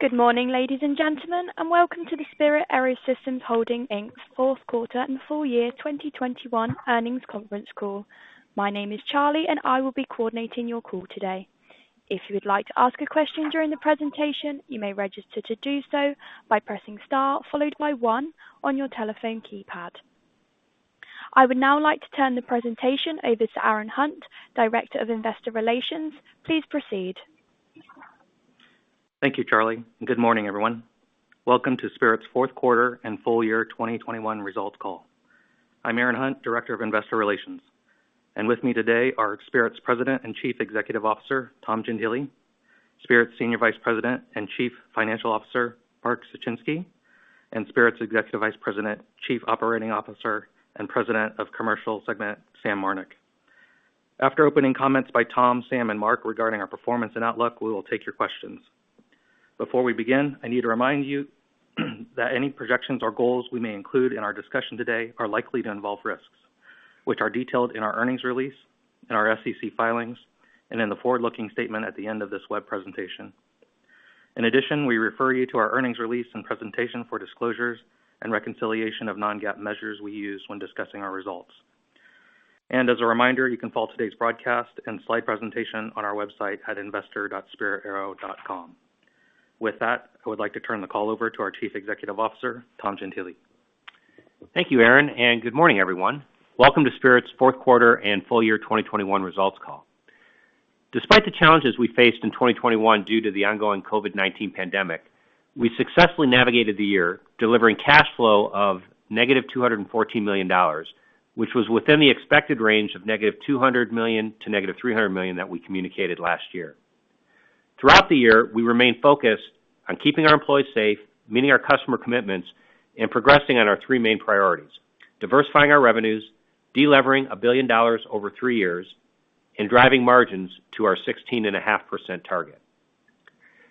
Good morning, ladies and gentlemen, and welcome to the Spirit AeroSystems Holdings, Inc. fourth quarter and full year 2021 earnings conference call. My name is Charlie, and I will be coordinating your call today. If you would like to ask a question during the presentation, you may register to do so by pressing star followed by one on your telephone keypad. I would now like to turn the presentation over to Aaron Hunt, Director of Investor Relations. Please proceed. Thank you, Charlie. Good morning, everyone. Welcome to Spirit's fourth quarter and full year 2021 results call. I'm Aaron Hunt, Director of Investor Relations, and with me today are Spirit's President and Chief Executive Officer, Tom Gentile, Spirit's Senior Vice President and Chief Financial Officer, Mark Suchinski, and Spirit's Executive Vice President, Chief Operating Officer, and President of Commercial Segment, Sam Marnick. After opening comments by Tom, Sam, and Mark regarding our performance and outlook, we will take your questions. Before we begin, I need to remind you that any projections or goals we may include in our discussion today are likely to involve risks, which are detailed in our earnings release, in our SEC filings, and in the forward-looking statement at the end of this web presentation. In addition, we refer you to our earnings release and presentation for disclosures and reconciliation of non-GAAP measures we use when discussing our results. As a reminder, you can follow today's broadcast and slide presentation on our website at investor.spiritaero.com. With that, I would like to turn the call over to our Chief Executive Officer, Tom Gentile. Thank you, Aaron, and good morning, everyone. Welcome to Spirit's fourth quarter and full year 2021 results call. Despite the challenges we faced in 2021 due to the ongoing COVID-19 pandemic, we successfully navigated the year, delivering cash flow of -$214 million, which was within the expected range of -$200 million to -$300 million that we communicated last year. Throughout the year, we remained focused on keeping our employees safe, meeting our customer commitments, and progressing on our three main priorities, diversifying our revenues, de-levering $1 billion over three years, and driving margins to our 16.5% target.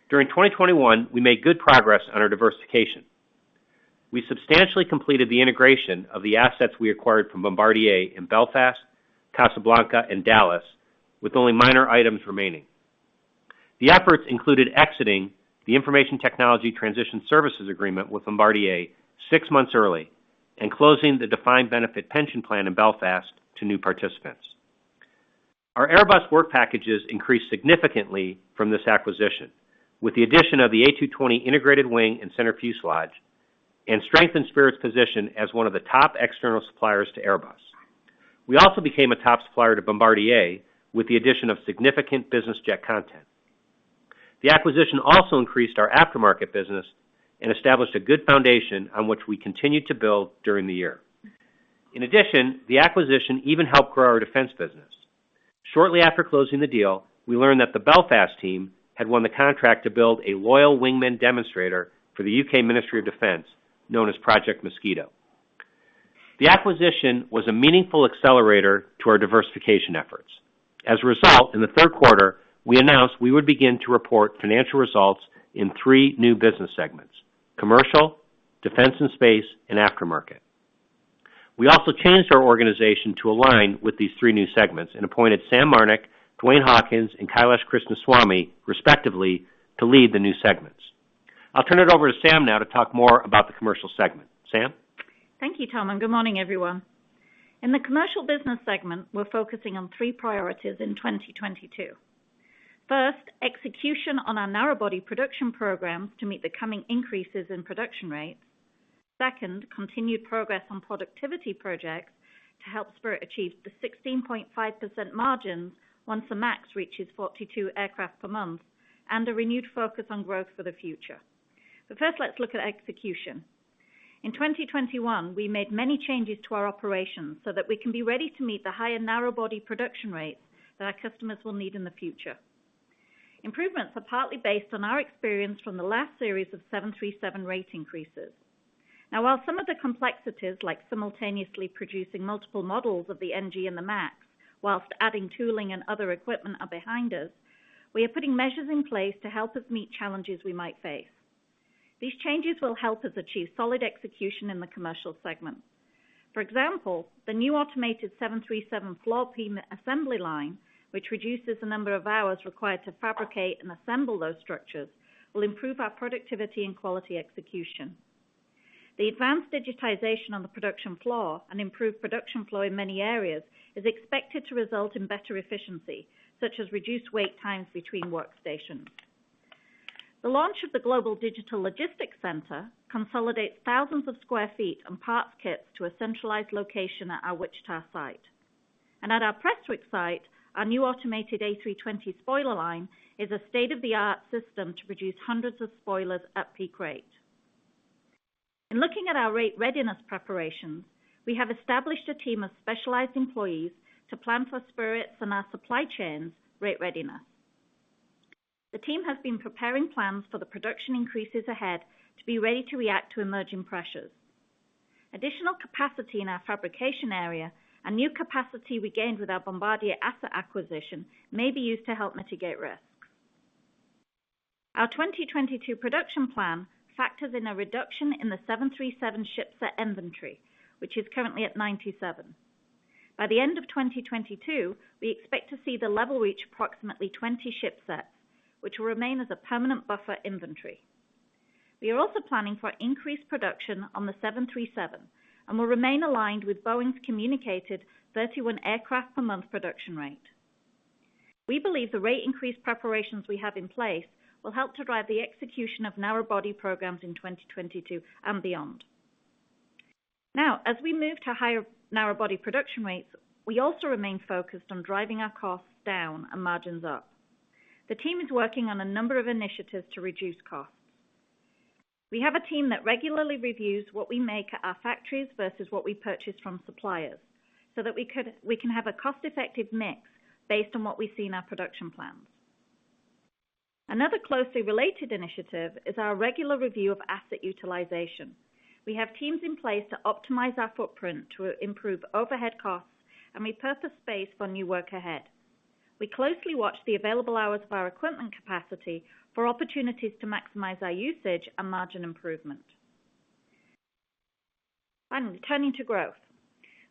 During 2021, we made good progress on our diversification. We substantially completed the integration of the assets we acquired from Bombardier in Belfast, Casablanca, and Dallas, with only minor items remaining. The efforts included exiting the information technology transition services agreement with Bombardier six months early and closing the defined benefit pension plan in Belfast to new participants. Our Airbus work packages increased significantly from this acquisition with the addition of the A220 integrated wing and center fuselage and strengthened Spirit's position as one of the top external suppliers to Airbus. We also became a top supplier to Bombardier with the addition of significant business jet content. The acquisition also increased our aftermarket business and established a good foundation on which we continued to build during the year. In addition, the acquisition even helped grow our defense business. Shortly after closing the deal, we learned that the Belfast team had won the contract to build a loyal wingman demonstrator for the U.K. Ministry of Defence, known as Project Mosquito. The acquisition was a meaningful accelerator to our diversification efforts. As a result, in the third quarter, we announced we would begin to report financial results in three new business segments, Commercial, Defense and Space, and Aftermarket. We also changed our organization to align with these three new segments and appointed Sam Marnick, Duane Hawkins, and Kailash Krishnaswamy, respectively, to lead the new segments. I'll turn it over to Sam now to talk more about the Commercial segment. Sam. Thank you, Tom, and good morning, everyone. In the commercial business segment, we're focusing on three priorities in 2022. First, execution on our narrow-body production programs to meet the coming increases in production rates. Second, continued progress on productivity projects to help Spirit achieve the 16.5% margins once the MAX reaches 42 aircraft per month, and a renewed focus on growth for the future. First, let's look at execution. In 2021, we made many changes to our operations so that we can be ready to meet the higher narrow-body production rates that our customers will need in the future. Improvements are partly based on our experience from the last series of 737 rate increases. Now, while some of the complexities, like simultaneously producing multiple models of the NG and the MAX, while adding tooling and other equipment are behind us, we are putting measures in place to help us meet challenges we might face. These changes will help us achieve solid execution in the commercial segment. For example, the new automated 737 floor beam assembly line, which reduces the number of hours required to fabricate and assemble those structures, will improve our productivity and quality execution. The advanced digitization on the production floor and improved production flow in many areas is expected to result in better efficiency, such as reduced wait times between workstations. The launch of the Global Digital Logistics Center consolidates thousands of sq ft and parts kits to a centralized location at our Wichita site. At our Prestwick site, our new automated A320 spoiler line is a state-of-the-art system to produce hundreds of spoilers at peak rate. In looking at our rate readiness preparations, we have established a team of specialized employees to plan for Spirit's and our supply chain's rate readiness. The team has been preparing plans for the production increases ahead to be ready to react to emerging pressures. Additional capacity in our fabrication area and new capacity we gained with our Bombardier asset acquisition may be used to help mitigate risk. Our 2022 production plan factors in a reduction in the 737 ship set inventory, which is currently at 97. By the end of 2022, we expect to see the level reach approximately 20 ship sets, which will remain as a permanent buffer inventory. We are also planning for increased production on the 737 and will remain aligned with Boeing's communicated 31 aircraft per month production rate. We believe the rate increase preparations we have in place will help to drive the execution of narrow body programs in 2022 and beyond. Now, as we move to higher narrow body production rates, we also remain focused on driving our costs down and margins up. The team is working on a number of initiatives to reduce costs. We have a team that regularly reviews what we make at our factories versus what we purchase from suppliers so that we can have a cost-effective mix based on what we see in our production plans. Another closely related initiative is our regular review of asset utilization. We have teams in place to optimize our footprint to improve overhead costs and repurpose space for new work ahead. We closely watch the available hours of our equipment capacity for opportunities to maximize our usage and margin improvement. Finally, turning to growth.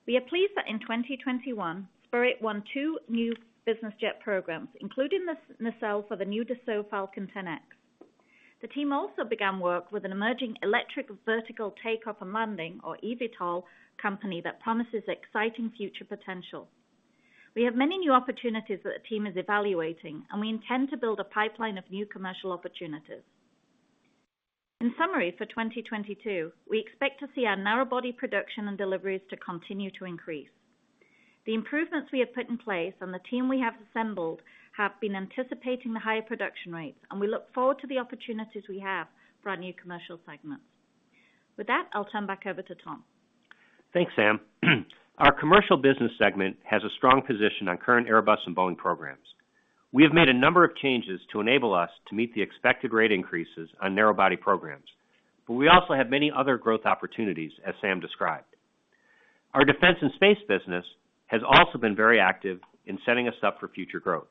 We are pleased that in 2021, Spirit won two new business jet programs, including the nacelle for the new Dassault Falcon 10X. The team also began work with an emerging electric vertical takeoff and landing, or eVTOL, company that promises exciting future potential. We have many new opportunities that the team is evaluating, and we intend to build a pipeline of new commercial opportunities. In summary, for 2022, we expect to see our narrow body production and deliveries to continue to increase. The improvements we have put in place and the team we have assembled have been anticipating the higher production rates, and we look forward to the opportunities we have for our new commercial segments. With that, I'll turn back over to Tom. Thanks, Sam. Our Commercial business segment has a strong position on current Airbus and Boeing programs. We have made a number of changes to enable us to meet the expected rate increases on narrow-body programs. We also have many other growth opportunities, as Sam described. Our Defense and Space business has also been very active in setting us up for future growth.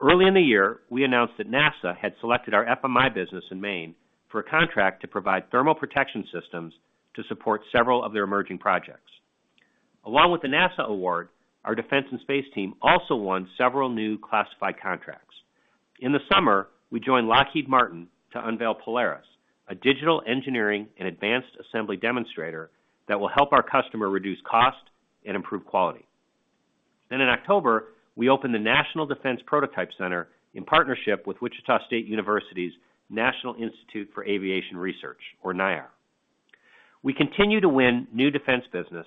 Early in the year, we announced that NASA had selected our FMI business in Maine for a contract to provide thermal protection systems to support several of their emerging projects. Along with the NASA award, our Defense and Space team also won several new classified contracts. In the summer, we joined Lockheed Martin to unveil Polaris, a digital engineering and advanced assembly demonstrator that will help our customer reduce cost and improve quality. In October, we opened the National Defense Prototype Center in partnership with Wichita State University's National Institute for Aviation Research, or NIAR. We continue to win new defense business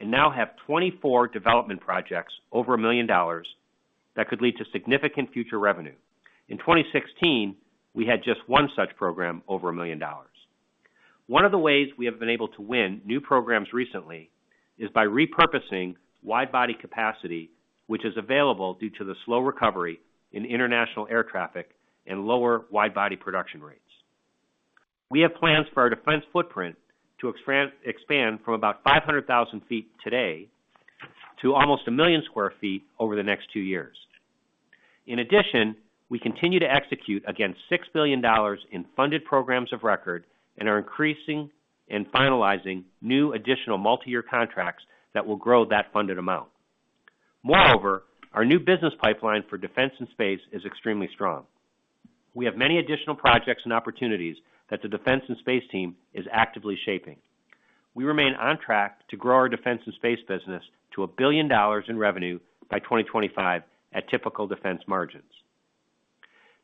and now have 24 development projects over $1 million that could lead to significant future revenue. In 2016, we had just one such program over $1 million. One of the ways we have been able to win new programs recently is by repurposing wide-body capacity, which is available due to the slow recovery in international air traffic and lower wide-body production rates. We have plans for our defense footprint to expand from about 500,000 sq ft today to almost 1 million sq ft over the next two years. In addition, we continue to execute against $6 billion in funded programs of record and are increasing and finalizing new additional multiyear contracts that will grow that funded amount. Moreover, our new business pipeline for defense and space is extremely strong. We have many additional projects and opportunities that the defense and space team is actively shaping. We remain on track to grow our defense and space business to $1 billion in revenue by 2025 at typical defense margins.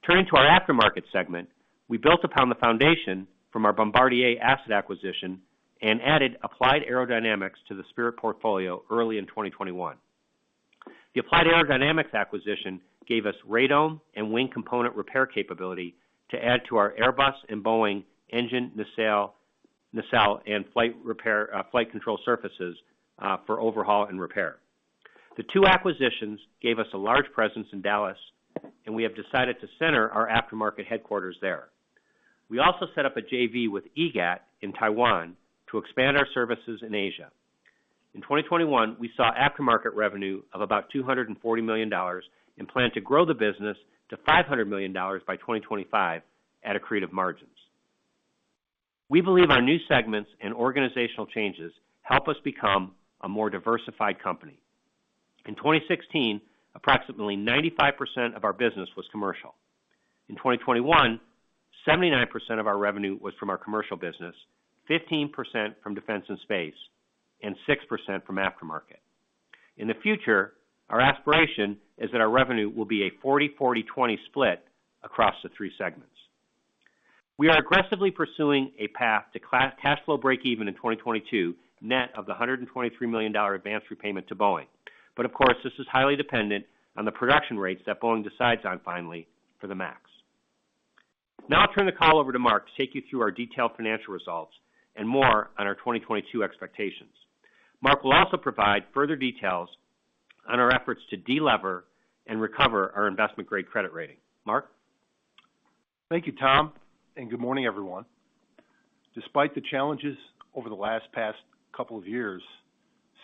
Turning to our aftermarket segment, we built upon the foundation from our Bombardier asset acquisition and added Applied Aerodynamics to the Spirit portfolio early in 2021. The Applied Aerodynamics acquisition gave us radome and wing component repair capability to add to our Airbus and Boeing engine nacelle and flight repair, flight control surfaces, for overhaul and repair. The two acquisitions gave us a large presence in Dallas, and we have decided to center our aftermarket headquarters there. We also set up a JV with EGAT in Taiwan to expand our services in Asia. In 2021, we saw aftermarket revenue of about $240 million and plan to grow the business to $500 million by 2025 at accretive margins. We believe our new segments and organizational changes help us become a more diversified company. In 2016, approximately 95% of our business was commercial. In 2021, 79% of our revenue was from our commercial business, 15% from defense and space, and 6% from aftermarket. In the future, our aspiration is that our revenue will be a 40 40 20 split across the three segments. We are aggressively pursuing a path to cash flow breakeven in 2022, net of the $123 million advance repayment to Boeing. Of course, this is highly dependent on the production rates that Boeing decides on finally for the MAX. Now I'll turn the call over to Mark to take you through our detailed financial results and more on our 2022 expectations. Mark will also provide further details on our efforts to de-lever and recover our investment-grade credit rating. Mark? Thank you, Tom, and good morning, everyone. Despite the challenges over the past couple of years,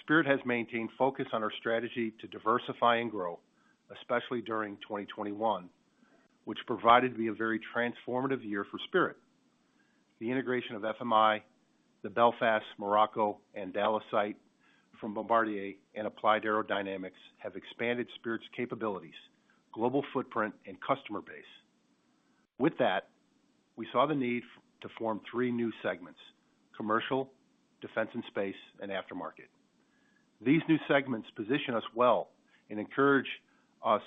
Spirit has maintained focus on our strategy to diversify and grow, especially during 2021, which proved to be a very transformative year for Spirit. The integration of FMI, the Belfast, Morocco, and Dallas site from Bombardier and Applied Aerodynamics have expanded Spirit's capabilities, global footprint, and customer base. With that, we saw the need to form three new segments: Commercial, Defense and Space, and Aftermarket. These new segments position us well and encourage us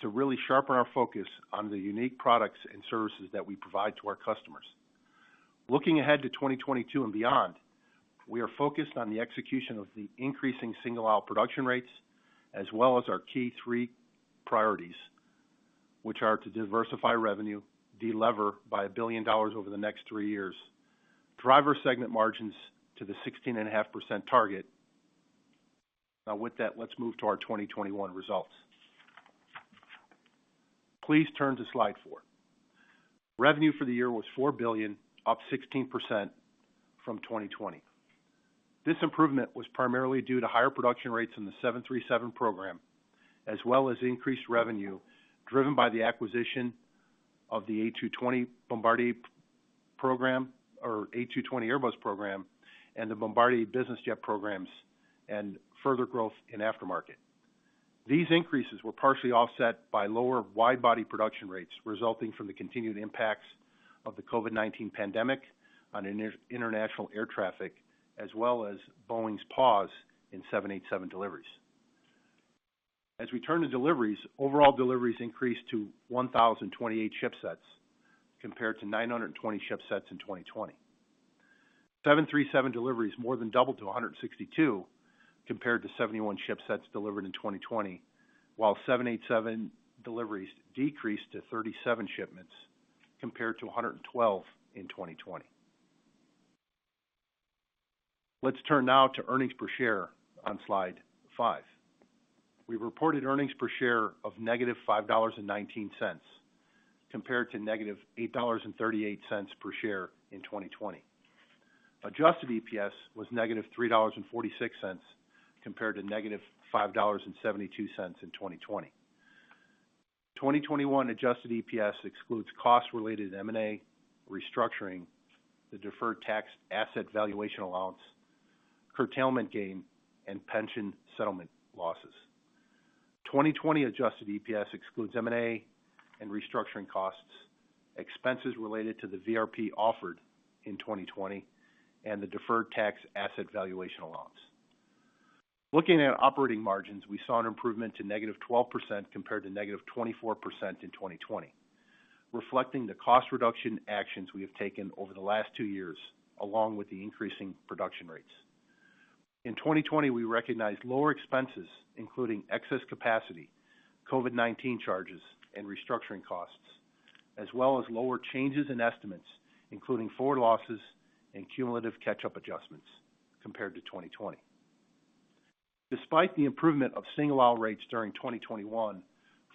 to really sharpen our focus on the unique products and services that we provide to our customers. Looking ahead to 2022 and beyond, we are focused on the execution of the increasing single aisle production rates, as well as our key three priorities, which are to diversify revenue, delever by $1 billion over the next three years, drive our segment margins to the 16.5% target. Now with that, let's move to our 2021 results. Please turn to slide four. Revenue for the year was $4 billion, up 16% from 2020. This improvement was primarily due to higher production rates in the 737 program, as well as increased revenue driven by the acquisition of the A220 Bombardier program or A220 Airbus program, and the Bombardier Business Jet programs and further growth in aftermarket. These increases were partially offset by lower wide-body production rates, resulting from the continued impacts of the COVID-19 pandemic on international air traffic, as well as Boeing's pause in 787 deliveries. As we turn to deliveries, overall deliveries increased to 1,028 shipsets compared to 920 shipsets in 2020. 737 deliveries more than doubled to 162 compared to 71 shipsets delivered in 2020, while 787 deliveries decreased to 37 shipments compared to 112 in 2020. Let's turn now to earnings per share on slide five. We reported earnings per share of -$5.19 compared to -$8.38 per share in 2020. Adjusted EPS was -$3.46 compared to -$5.72 in 2020. 2021 adjusted EPS excludes costs related to M&A restructuring, the deferred tax asset valuation allowance, curtailment gain, and pension settlement losses. 2020 adjusted EPS excludes M&A and restructuring costs, expenses related to the VRP offered in 2020, and the deferred tax asset valuation allowance. Looking at operating margins, we saw an improvement to -12% compared to -24% in 2020, reflecting the cost reduction actions we have taken over the last two years, along with the increasing production rates. In 2020, we recognized lower expenses, including excess capacity, COVID-19 charges, and restructuring costs, as well as lower changes in estimates, including forward losses and cumulative catch-up adjustments compared to 2020. Despite the improvement of single-aisle rates during 2021,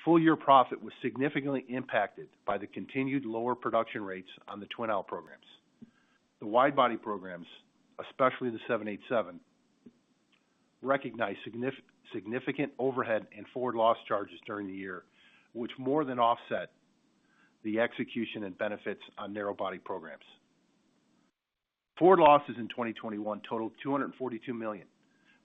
full-year profit was significantly impacted by the continued lower production rates on the twin-aisle programs. The wide-body programs, especially the 787, recognized significant overhead and forward loss charges during the year, which more than offset the execution and benefits on narrow-body programs. Forward losses in 2021 totaled $242 million,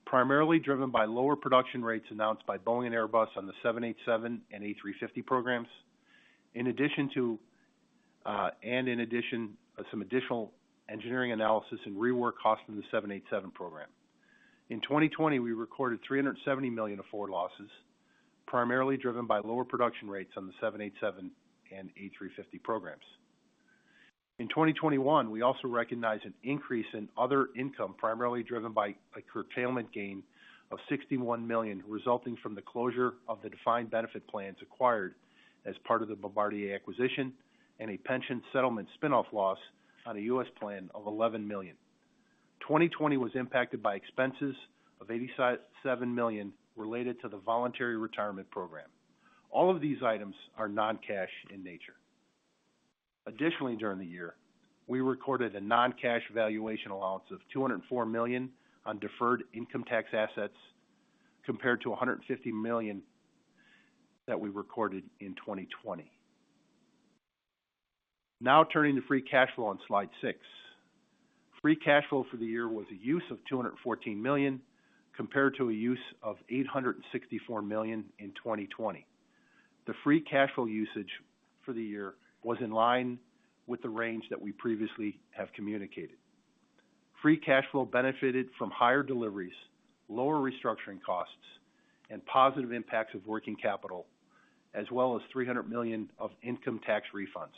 primarily driven by lower production rates announced by Boeing and Airbus on the 787 and A350 programs. In addition, some additional engineering analysis and rework costs from the 787 program. In 2020, we recorded $370 million of forward losses, primarily driven by lower production rates on the 787 and A350 programs. In 2021, we also recognized an increase in other income, primarily driven by a curtailment gain of $61 million resulting from the closure of the defined benefit plans acquired as part of the Bombardier acquisition and a pension settlement spin-off loss on a U.S. plan of $11 million. 2020 was impacted by expenses of $87 million related to the voluntary retirement program. All of these items are non-cash in nature. Additionally, during the year, we recorded a non-cash valuation allowance of $204 million on deferred income tax assets, compared to $150 million that we recorded in 2020. Now turning to free cash flow on slide six. Free cash flow for the year was a use of $214 million, compared to a use of $864 million in 2020. The free cash flow usage for the year was in line with the range that we previously have communicated. Free cash flow benefited from higher deliveries, lower restructuring costs, and positive impacts of working capital, as well as $300 million of income tax refunds.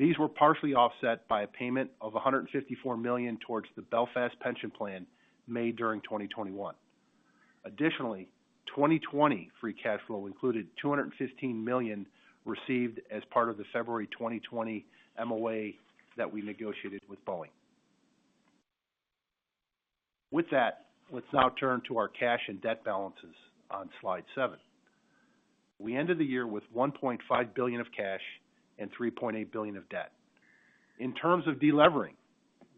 These were partially offset by a payment of $154 million towards the Belfast pension plan made during 2021. Additionally, 2020 free cash flow included $215 million received as part of the February 2020 MOA that we negotiated with Boeing. With that, let's now turn to our cash and debt balances on slide seven. We ended the year with $1.5 billion of cash and $3.8 billion of debt. In terms of delevering,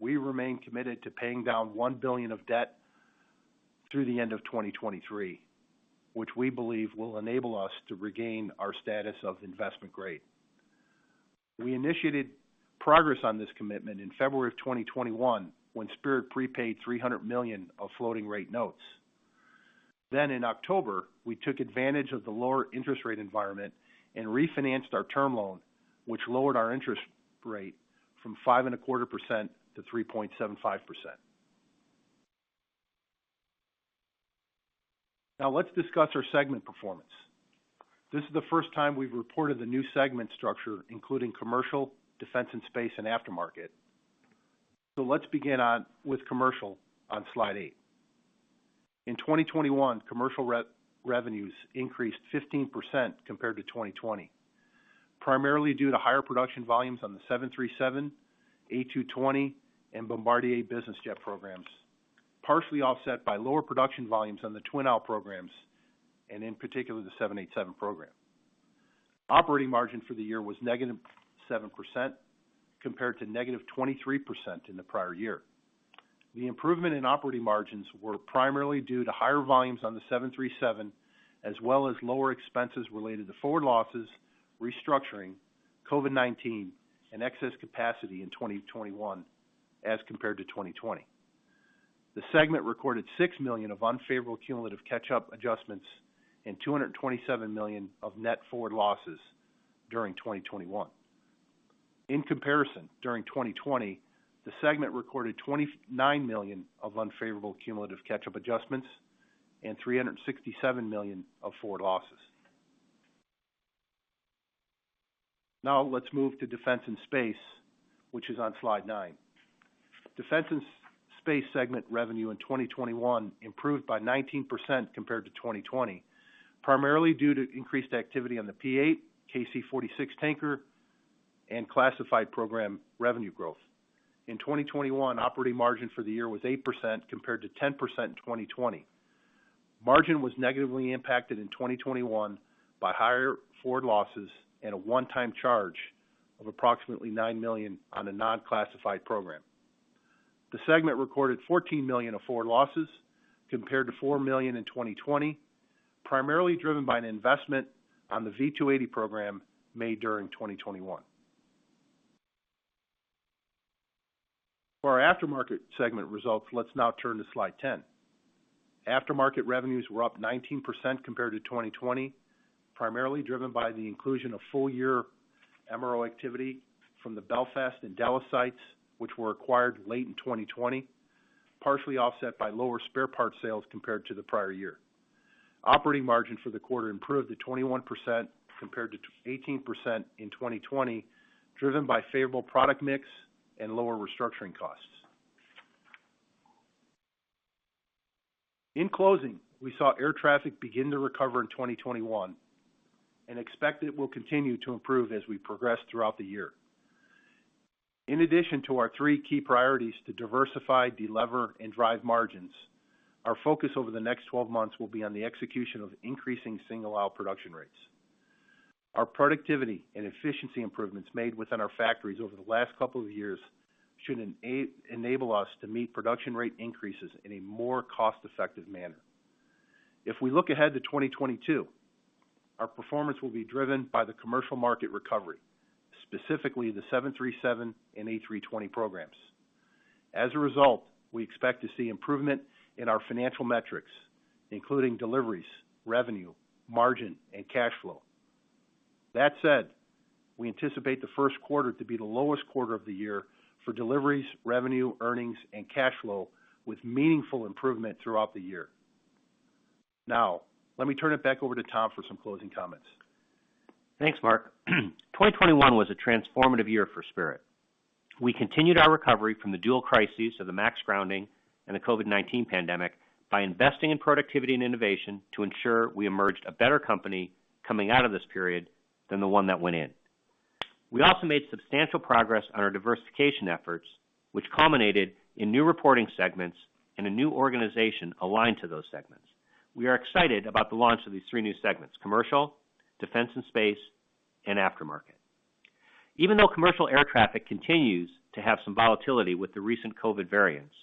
we remain committed to paying down $1 billion of debt through the end of 2023, which we believe will enable us to regain our status of investment-grade. We initiated progress on this commitment in February 2021 when Spirit prepaid $300 million of floating rate notes. In October, we took advantage of the lower interest rate environment and refinanced our term loan, which lowered our interest rate from 5.25% to 3.75%. Now let's discuss our segment performance. This is the first time we've reported the new segment structure, including Commercial, Defense and Space, and Aftermarket. Let's begin with Commercial on slide eight. In 2021, Commercial revenues increased 15% compared to 2020, primarily due to higher production volumes on the 737, A220, and Bombardier business jet programs, partially offset by lower production volumes on the twin-aisle programs and in particular, the 787 program. Operating margin for the year was -7% compared to -23% in the prior year. The improvement in operating margins were primarily due to higher volumes on the 737, as well as lower expenses related to forward losses, restructuring, COVID-19, and excess capacity in 2021 as compared to 2020. The segment recorded $6 million of unfavorable cumulative catch-up adjustments and $227 million of net forward losses during 2021. In comparison, during 2020, the segment recorded $29 million of unfavorable cumulative catch-up adjustments and $367 million of forward losses. Now let's move to Defense and Space, which is on slide nine. Defense and Space segment revenue in 2021 improved by 19% compared to 2020, primarily due to increased activity on the P-8, KC-46 tanker, and classified program revenue growth. In 2021, operating margin for the year was 8% compared to 10% in 2020. Margin was negatively impacted in 2021 by higher forward losses and a one-time charge of approximately $9 million on a non-classified program. The segment recorded $14 million of forward losses, compared to $4 million in 2020, primarily driven by an investment on the V-280 program made during 2021. For our aftermarket segment results, let's now turn to slide 10. Aftermarket revenues were up 19% compared to 2020, primarily driven by the inclusion of full year MRO activity from the Belfast and Dallas sites which were acquired late in 2020, partially offset by lower spare parts sales compared to the prior year. Operating margin for the quarter improved to 21% compared to -18% in 2020, driven by favorable product mix and lower restructuring costs. In closing, we saw air traffic begin to recover in 2021 and expect it will continue to improve as we progress throughout the year. In addition to our three key priorities to diversify, delever, and drive margins, our focus over the next 12 months will be on the execution of increasing single aisle production rates. Our productivity and efficiency improvements made within our factories over the last couple of years should enable us to meet production rate increases in a more cost-effective manner. If we look ahead to 2022, our performance will be driven by the commercial market recovery, specifically the 737 and A320 programs. As a result, we expect to see improvement in our financial metrics, including deliveries, revenue, margin, and cash flow. That said, we anticipate the first quarter to be the lowest quarter of the year for deliveries, revenue, earnings, and cash flow, with meaningful improvement throughout the year. Now, let me turn it back over to Tom for some closing comments. Thanks, Mark. 2021 was a transformative year for Spirit. We continued our recovery from the dual crises of the MAX grounding and the COVID-19 pandemic by investing in productivity and innovation to ensure we emerged a better company coming out of this period than the one that went in. We also made substantial progress on our diversification efforts, which culminated in new reporting segments and a new organization aligned to those segments. We are excited about the launch of these three new segments, Commercial, Defense and Space, and Aftermarket. Even though commercial air traffic continues to have some volatility with the recent COVID variants,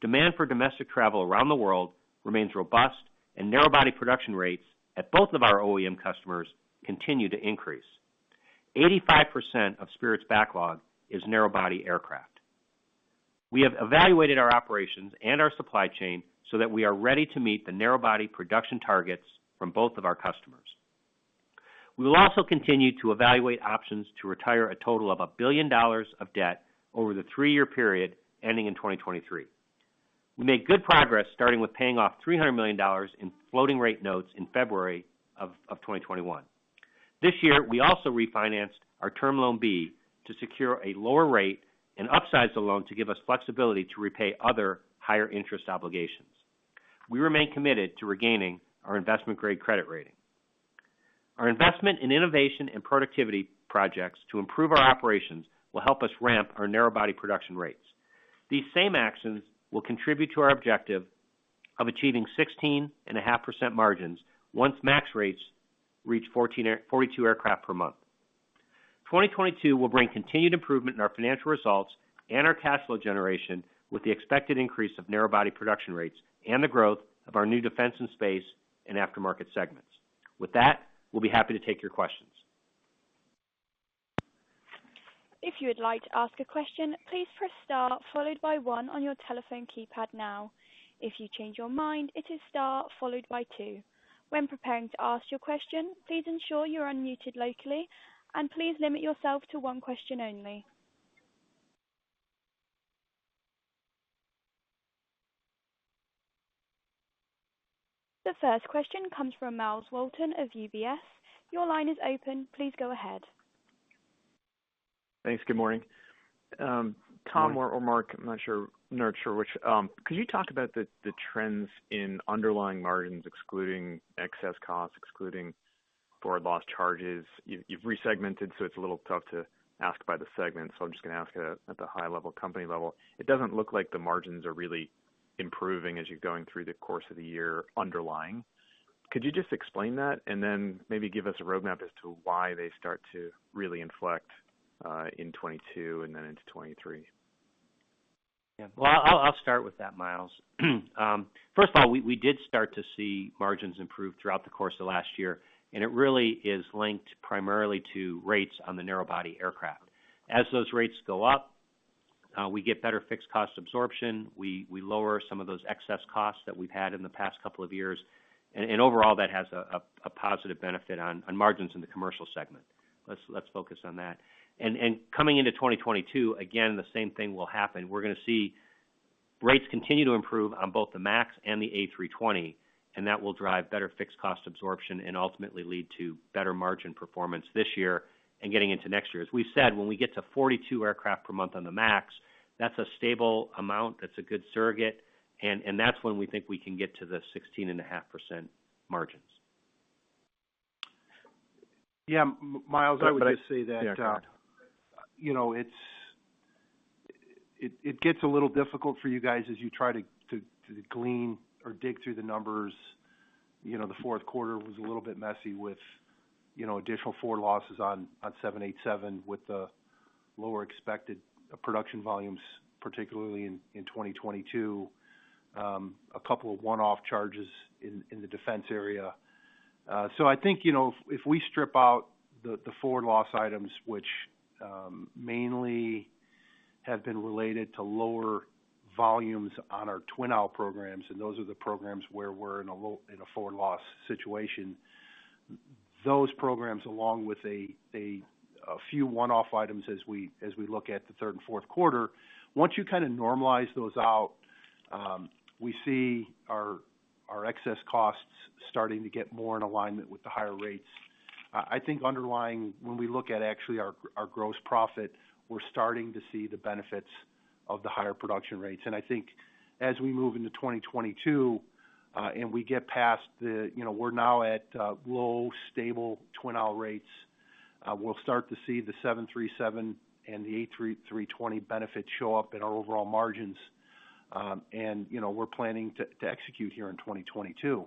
demand for domestic travel around the world remains robust, and narrow-body production rates at both of our OEM customers continue to increase. 85% of Spirit's backlog is narrow-body aircraft. We have evaluated our operations and our supply chain so that we are ready to meet the narrow-body production targets from both of our customers. We will also continue to evaluate options to retire a total of $1 billion of debt over the three-year period ending in 2023. We made good progress, starting with paying off $300 million in floating rate notes in February of 2021. This year, we also refinanced our Term Loan B to secure a lower rate and upsize the loan to give us flexibility to repay other higher interest obligations. We remain committed to regaining our investment-grade credit rating. Our investment in innovation and productivity projects to improve our operations will help us ramp our narrow-body production rates. These same actions will contribute to our objective of achieving 16.5% margins once MAX rates reach 42 aircraft per month. 2022 will bring continued improvement in our financial results and our cash flow generation with the expected increase of narrow-body production rates and the growth of our new defense and space and aftermarket segments. With that, we'll be happy to take your questions. If you would like to ask your questions, please press star followed by one on your telephone keypad now. If you change your mind press star followed by key. When preparing to ask your question, please ensure you're unmuted likely. And please limit yourself to one question only. The first question comes from Myles Walton of UBS. Your line is open. Please go ahead. Thanks. Good morning. Tom or Mark, I'm not sure which. Could you talk about the trends in underlying margins excluding excess costs, excluding forward loss charges? You've resegmented, so it's a little tough to ask by the segment, so I'm just gonna ask at a high level, company level. It doesn't look like the margins are really improving as you're going through the course of the year underlying. Could you just explain that and then maybe give us a roadmap as to why they start to really inflect in 2022 and then into 2023? Yeah. Well, I'll start with that, Myles. First of all, we did start to see margins improve throughout the course of last year, and it really is linked primarily to rates on the narrow body aircraft. As those rates go up, we get better fixed cost absorption. We lower some of those excess costs that we've had in the past couple of years. Overall, that has a positive benefit on margins in the Commercial segment. Let's focus on that. Coming into 2022, again, the same thing will happen. We're gonna see rates continue to improve on both the MAX and the A320, and that will drive better fixed cost absorption and ultimately lead to better margin performance this year and getting into next year. As we've said, when we get to 42 aircraft per month on the MAX, that's a stable amount, that's a good surrogate, and that's when we think we can get to the 16.5% margins. Yeah, Myles, I would just say that. Yeah, go ahead. You know, it's difficult for you guys as you try to glean or dig through the numbers. You know, the fourth quarter was a little bit messy with, you know, additional forward losses on 787 with the lower expected production volumes, particularly in 2022. A couple of one-off charges in the defense area. I think, you know, if we strip out the forward loss items, which mainly have been related to lower volumes on our twin-aisle programs, and those are the programs where we're in a forward loss situation. Those programs, along with a few one-off items as we look at the third and fourth quarter, once you kind of normalize those out, we see our excess costs starting to get more in alignment with the higher rates. I think underlying, when we look at actually our gross profit, we're starting to see the benefits of the higher production rates. I think as we move into 2022, and we get past the, you know, we're now at low, stable twin-aisle rates, we'll start to see the 737 and the A320 benefits show up in our overall margins. You know, we're planning to execute here in 2022.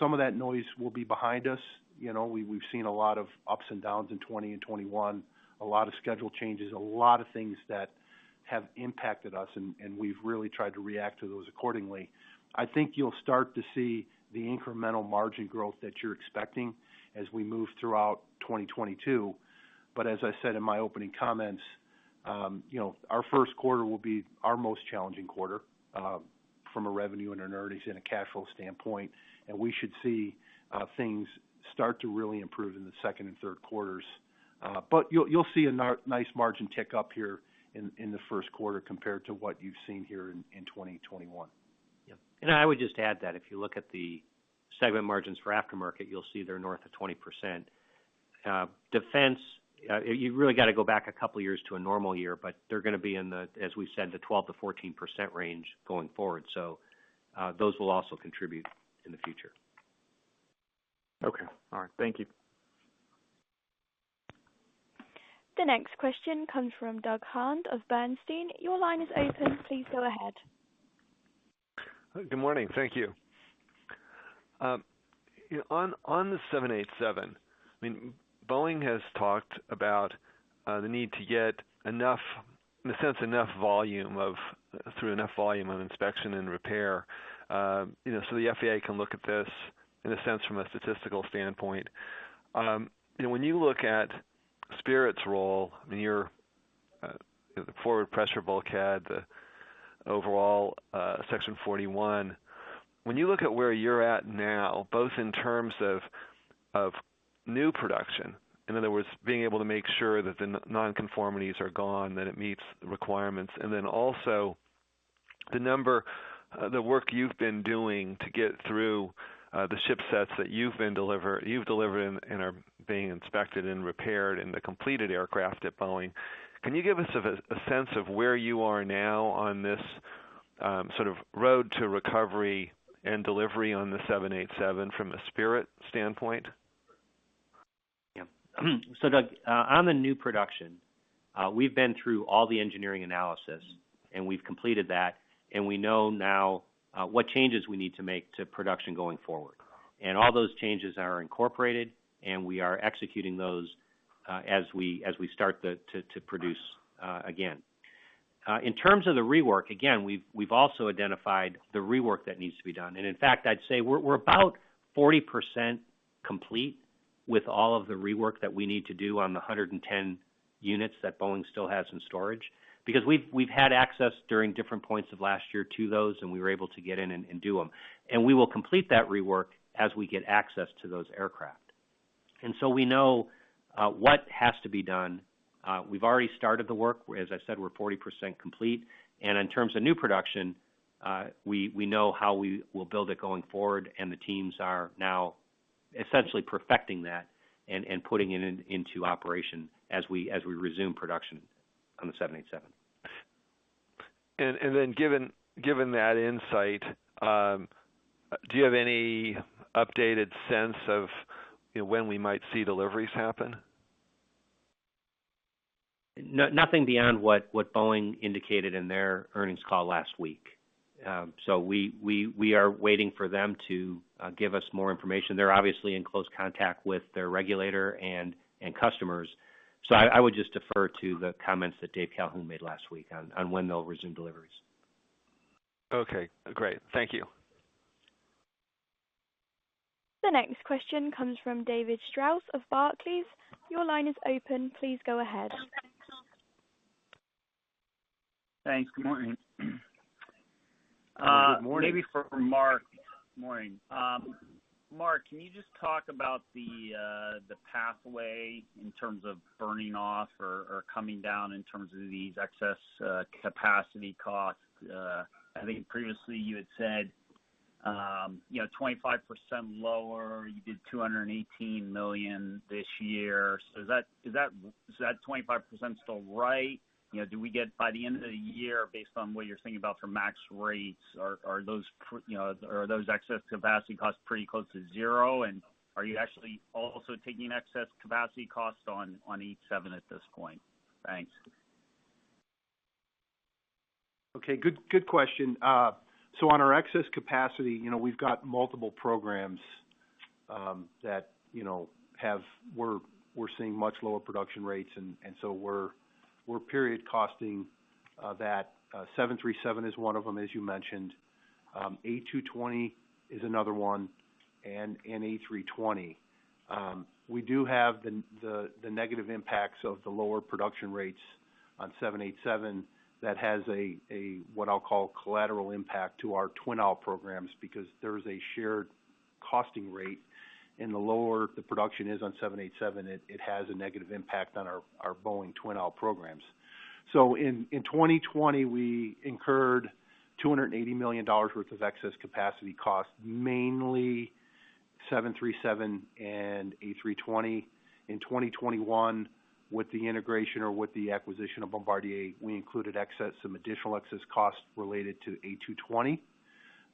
Some of that noise will be behind us. You know, we've seen a lot of ups and downs in 2020 and 2021, a lot of schedule changes, a lot of things that have impacted us, and we've really tried to react to those accordingly. I think you'll start to see the incremental margin growth that you're expecting as we move throughout 2022. As I said in my opening comments, you know, our first quarter will be our most challenging quarter from a revenue and earnings and a cash flow standpoint, and we should see things start to really improve in the second and third quarters. You'll see a nice margin tick-up here in the first quarter compared to what you've seen here in 2021. Yeah. I would just add that if you look at the segment margins for Aftermarket, you'll see they're north of 20%. Defense, you really got to go back a couple of years to a normal year, but they're gonna be in the, as we said, the 12%-14% range going forward. Those will also contribute in the future. Okay. All right. Thank you. The next question comes from Doug Harned of Bernstein. Your line is open. Please go ahead. Good morning. Thank you. On the 787, I mean, Boeing has talked about the need to get enough volume of inspection and repair, you know, so the FAA can look at this from a statistical standpoint. You know, when you look at Spirit's role and your, you know, the forward pressure bulkhead, the overall Section 41, when you look at where you're at now, both in terms of new production, in other words, being able to make sure that the non-conformities are gone, that it meets the requirements, and then also the work you've been doing to get through the ship sets that you've delivered and are being inspected and repaired in the completed aircraft at Boeing. Can you give us a sense of where you are now on this sort of road to recovery and delivery on the 787 from a Spirit standpoint? Doug, on the new production, we've been through all the engineering analysis, and we've completed that, and we know now what changes we need to make to production going forward. All those changes are incorporated, and we are executing those as we start to produce again. In terms of the rework, again, we've also identified the rework that needs to be done. In fact, I'd say we're about 40% complete with all of the rework that we need to do on the 110 units that Boeing still has in storage. Because we've had access during different points of last year to those, and we were able to get in and do them. We will complete that rework as we get access to those aircraft. We know what has to be done. We've already started the work. As I said, we're 40% complete. In terms of new production, we know how we will build it going forward, and the teams are now essentially perfecting that and putting it into operation as we resume production on the 787. Given that insight, do you have any updated sense of, you know, when we might see deliveries happen? No, nothing beyond what Boeing indicated in their earnings call last week. We are waiting for them to give us more information. They're obviously in close contact with their regulator and customers. I would just defer to the comments that Dave Calhoun made last week on when they'll resume deliveries. Okay, great. Thank you. The next question comes from David Strauss of Barclays. Your line is open. Please go ahead. Thanks. Good morning. Good morning. Maybe for Mark. Morning. Mark, can you just talk about the pathway in terms of burning off or coming down in terms of these excess capacity costs. I think previously you had said, you know, 25% lower, you did $218 million this year. So is that 25% still right? You know, do we get by the end of the year based on what you're thinking about for MAX rates, you know, are those excess capacity costs pretty close to zero? And are you actually also taking excess capacity costs on 737 at this point? Thanks. Okay, good question. On our excess capacity, you know, we've got multiple programs, you know, we're seeing much lower production rates, and so we're period costing that. 737 is one of them, as you mentioned. A220 is another one, and A320. We do have the negative impacts of the lower production rates on 787 that has a what I'll call collateral impact to our twin-aisle programs, because there's a shared costing rate, and the lower the production is on 787, it has a negative impact on our Boeing twin-aisle programs. In 2020, we incurred $280 million worth of excess capacity costs, mainly 737 and A320. In 2021, with the integration or with the acquisition of Bombardier, we included excess, some additional excess costs related to A220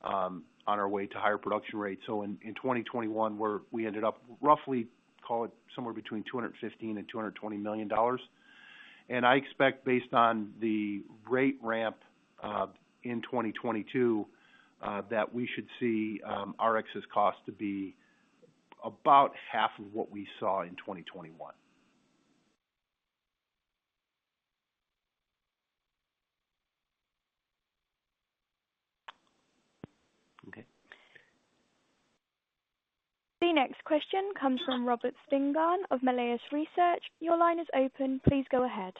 on our way to higher production rates. In 2021, we ended up roughly call it somewhere between $215 million and $220 million. I expect based on the rate ramp in 2022 that we should see our excess cost to be about half of what we saw in 2021. Okay. The next question comes from Robert Spingarn of Melius Research. Your line is open. Please go ahead.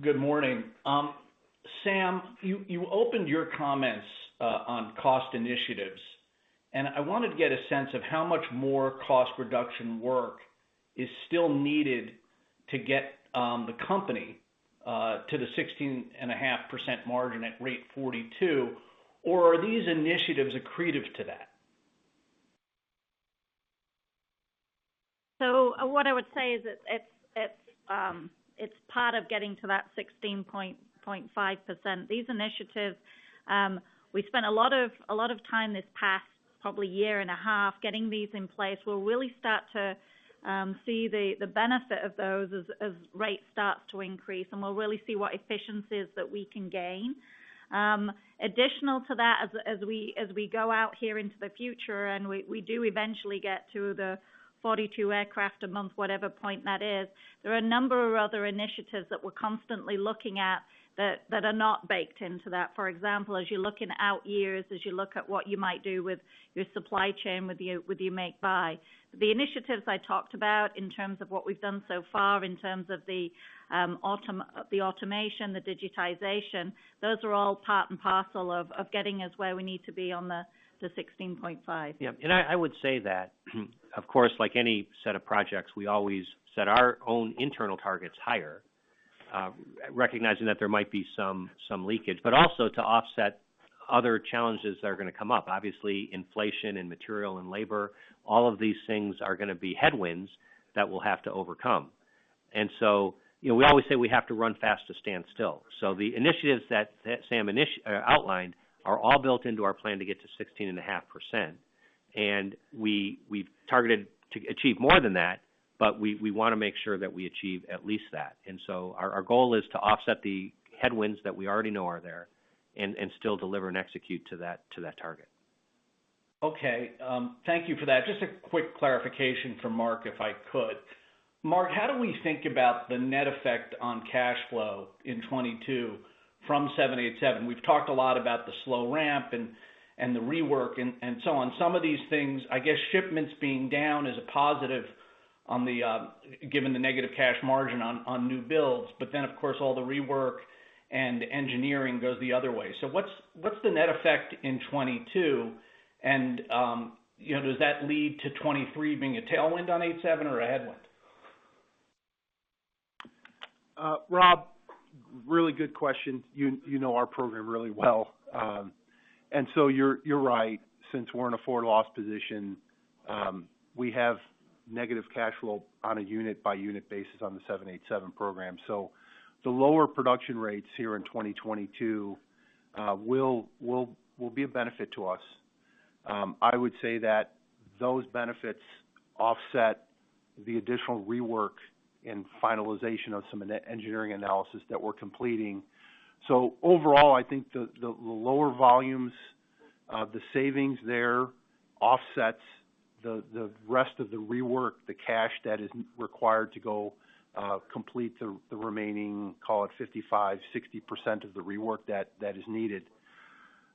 Good morning. Sam, you opened your comments on cost initiatives. I wanted to get a sense of how much more cost reduction work is still needed to get the company to the 16.5% margin at rate 42. Are these initiatives accretive to that? What I would say is that it's part of getting to that 16.5%. These initiatives, we spent a lot of time this past probably year and a half getting these in place. We'll really start to see the benefit of those as rate starts to increase, and we'll really see what efficiencies that we can gain. Additional to that, as we go out here into the future and we do eventually get to the 42 aircraft a month, whatever point that is, there are a number of other initiatives that we're constantly looking at that are not baked into that. For example, as you look in out years, as you look at what you might do with your supply chain, with your make buy. The initiatives I talked about in terms of what we've done so far in terms of the automation, the digitization, those are all part and parcel of getting us where we need to be on the 16.5. Yeah. I would say that, of course, like any set of projects, we always set our own internal targets higher, recognizing that there might be some leakage, but also to offset other challenges that are gonna be headwinds that we'll have to overcome. Obviously, inflation and material and labor, all of these things are gonna be headwinds that we'll have to overcome. You know, we always say we have to run fast to stand still. The initiatives that Sam outlined are all built into our plan to get to 16.5%. We've targeted to achieve more than that, but we wanna make sure that we achieve at least that. Our goal is to offset the headwinds that we already know are there and still deliver and execute to that target. Okay. Thank you for that. Just a quick clarification for Mark, if I could. Mark, how do we think about the net effect on cash flow in 2022 from 787? We've talked a lot about the slow ramp and the rework and so on. Some of these things, I guess shipments being down is a positive on the given the negative cash margin on new builds. But then of course, all the rework and engineering goes the other way. What's the net effect in 2022? You know, does that lead to 2023 being a tailwind on 787 or a headwind? Rob, really good question. You know our program really well. You're right. Since we're in a forward loss position, we have negative cash flow on a unit-by-unit basis on the 787 program. The lower production rates here in 2022 will be a benefit to us. I would say that those benefits offset the additional rework and finalization of some of the engineering analysis that we're completing. Overall, I think the lower volumes, the savings there offsets the rest of the rework, the cash that is required to complete the remaining, call it 55%, 60% of the rework that is needed.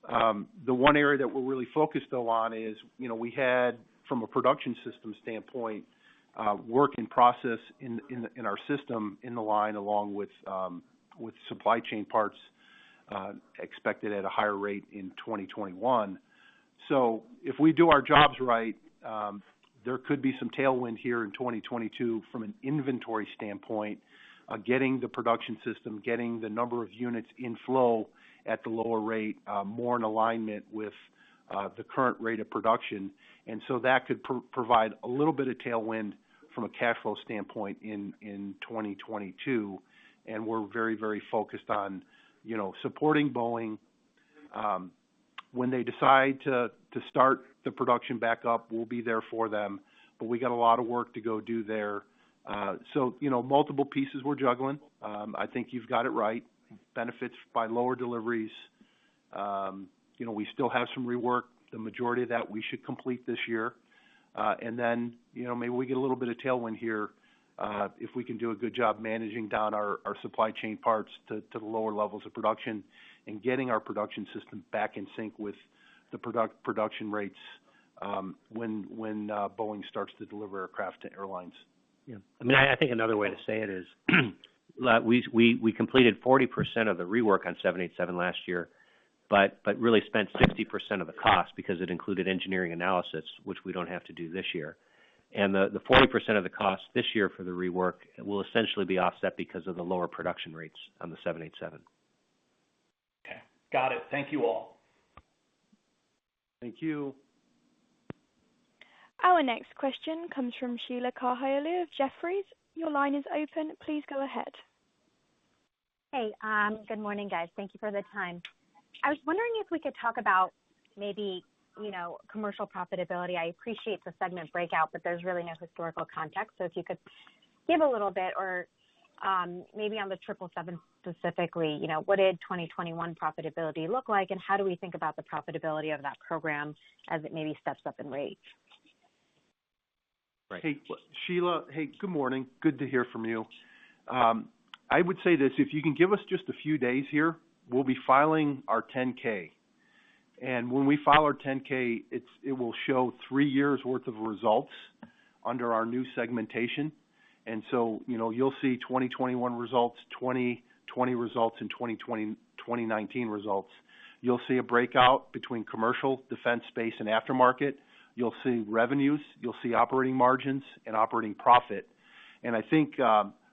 The one area that we're really focused though on is, you know, we had from a production system standpoint, work in process in our system, in the line along with supply chain parts, expected at a higher rate in 2021. If we do our jobs right, there could be some tailwind here in 2022 from an inventory standpoint, getting the production system, getting the number of units in flow at the lower rate, more in alignment with the current rate of production. That could provide a little bit of tailwind from a cash flow standpoint in 2022. We're very, very focused on, you know, supporting Boeing. When they decide to start the production back up, we'll be there for them, but we got a lot of work to go do there. You know, multiple pieces we're juggling. I think you've got it right. Benefits by lower deliveries. You know, we still have some rework, the majority of that we should complete this year. Then, you know, maybe we get a little bit of tailwind here, if we can do a good job managing down our supply chain parts to the lower levels of production and getting our production system back in sync with the production rates, when Boeing starts to deliver aircraft to airlines. Yeah. I mean, I think another way to say it is we completed 40% of the rework on 787 last year, but really spent 60% of the cost because it included engineering analysis, which we don't have to do this year. The 40% of the cost this year for the rework will essentially be offset because of the lower production rates on the 787. Okay. Got it. Thank you all. Thank you. Our next question comes from Sheila Kahyaoglu of Jefferies. Your line is open. Please go ahead. Hey. Good morning, guys. Thank you for the time. I was wondering if we could talk about maybe, you know, commercial profitability. I appreciate the segment breakout, but there's really no historical context. If you could give a little bit or, maybe on the 777 specifically, you know, what did 2021 profitability look like, and how do we think about the profitability of that program as it maybe steps up in rate? Hey, Sheila. Hey, good morning. Good to hear from you. I would say this, if you can give us just a few days here, we'll be filing our 10-K. When we file our 10-K, it will show three years worth of results under our new segmentation. You know, you'll see 2021 results, 2020 results, and 2019 results. You'll see a breakout between commercial, defense space, and aftermarket. You'll see revenues, you'll see operating margins and operating profit. I think,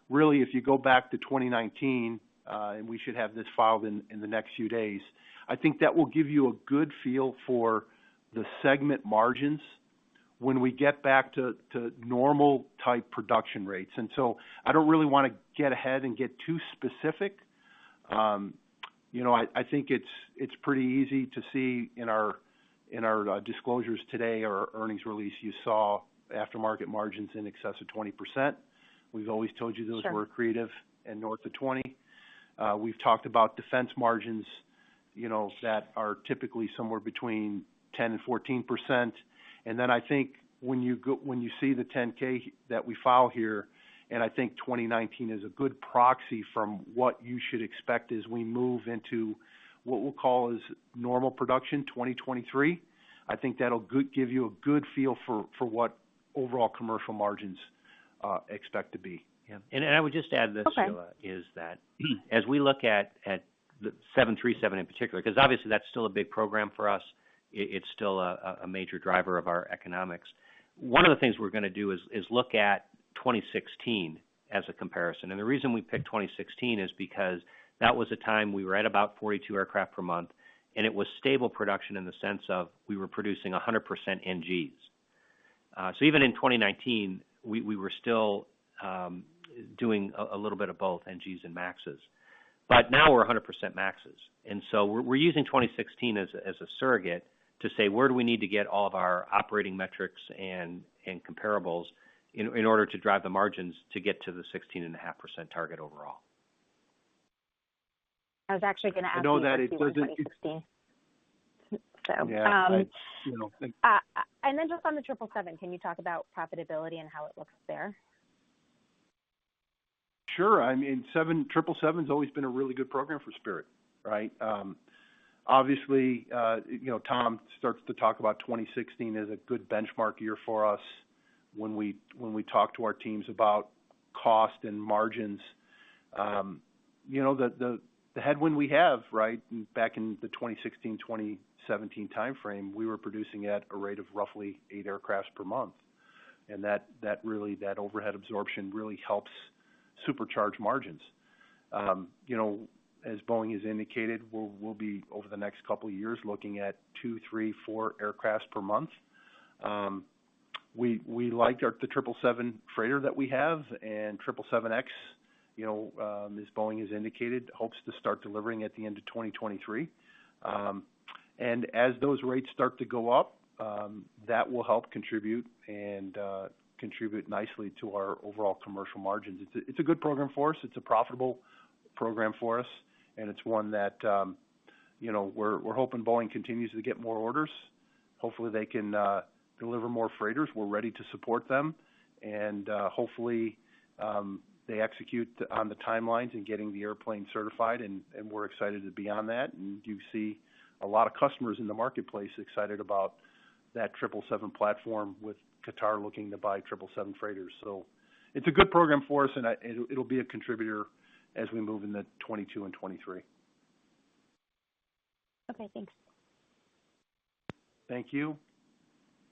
really, if you go back to 2019, and we should have this filed in the next few days, I think that will give you a good feel for the segment margins when we get back to normal type production rates. I don't really wanna get ahead and get too specific. You know, I think it's pretty easy to see in our disclosures today or earnings release. You saw aftermarket margins in excess of 20%. We've always told you those Sure. Were accretive and north of 20%. We've talked about defense margins, you know, that are typically somewhere between 10%-14%. Then I think when you see the 10-K that we file here, and I think 2019 is a good proxy from what you should expect as we move into what we'll call normal production, 2023. I think that'll give you a good feel for what overall commercial margins expect to be. Yeah. I would just add this. Okay. Sheila, is that as we look at the 737 in particular, 'cause obviously that's still a big program for us, it's still a major driver of our economics. One of the things we're gonna do is look at 2016 as a comparison. The reason we picked 2016 is because that was a time we were at about 42 aircraft per month, and it was stable production in the sense of we were producing 100% NGs. Even in 2019, we were still doing a little bit of both, NGs and MAXes. Now we're 100% MAXes. We're using 2016 as a surrogate to say where do we need to get all of our operating metrics and comparables in order to drive the margins to get to the 16.5% target overall. I was actually gonna ask you about. I know that it wasn't- 2016. Yeah, you know, I think. Just on the 777, can you talk about profitability and how it looks there? Sure. I mean, 777's always been a really good program for Spirit, right? Obviously, you know, Tom starts to talk about 2016 as a good benchmark year for us when we talk to our teams about cost and margins. You know, the headwind we have, right? Back in the 2016, 2017 timeframe, we were producing at a rate of roughly 8 aircraft per month. That overhead absorption really helps supercharge margins. You know, as Boeing has indicated, we'll be over the next couple of years looking at two, three, four aircraft per month. We like the 777 freighter that we have and 777X, you know, as Boeing has indicated, hopes to start delivering at the end of 2023. As those rates start to go up, that will help contribute nicely to our overall commercial margins. It's a good program for us. It's a profitable program for us, and it's one that, you know, we're hoping Boeing continues to get more orders. Hopefully, they can deliver more freighters. We're ready to support them, and hopefully they execute on the timelines in getting the airplane certified, and we're excited to be on that. You see a lot of customers in the marketplace excited about that 777 platform with Qatar looking to buy 777 freighters. It's a good program for us, and it'll be a contributor as we move into 2022 and 2023. Okay, thanks. Thank you.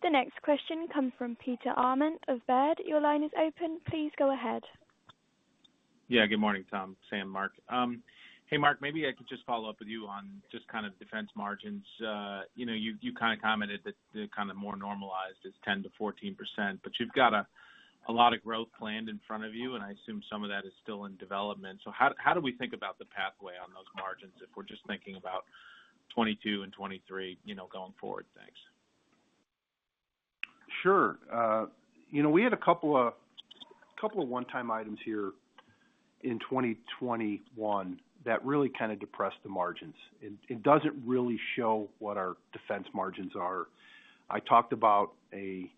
The next question comes from Peter Arment of Baird. Your line is open. Please go ahead. Yeah, good morning, Tom, Sam, Mark. Hey, Mark, maybe I could just follow up with you on just kind of defense margins. You know, you've kind of commented that they're kind of more normalized as 10%-14%, but you've got a lot of growth planned in front of you, and I assume some of that is still in development. How do we think about the pathway on those margins if we're just thinking about 2022 and 2023, you know, going forward? Thanks. Sure. You know, we had a couple of one-time items here in 2021 that really kind of depressed the margins. It doesn't really show what our defense margins are. I talked about an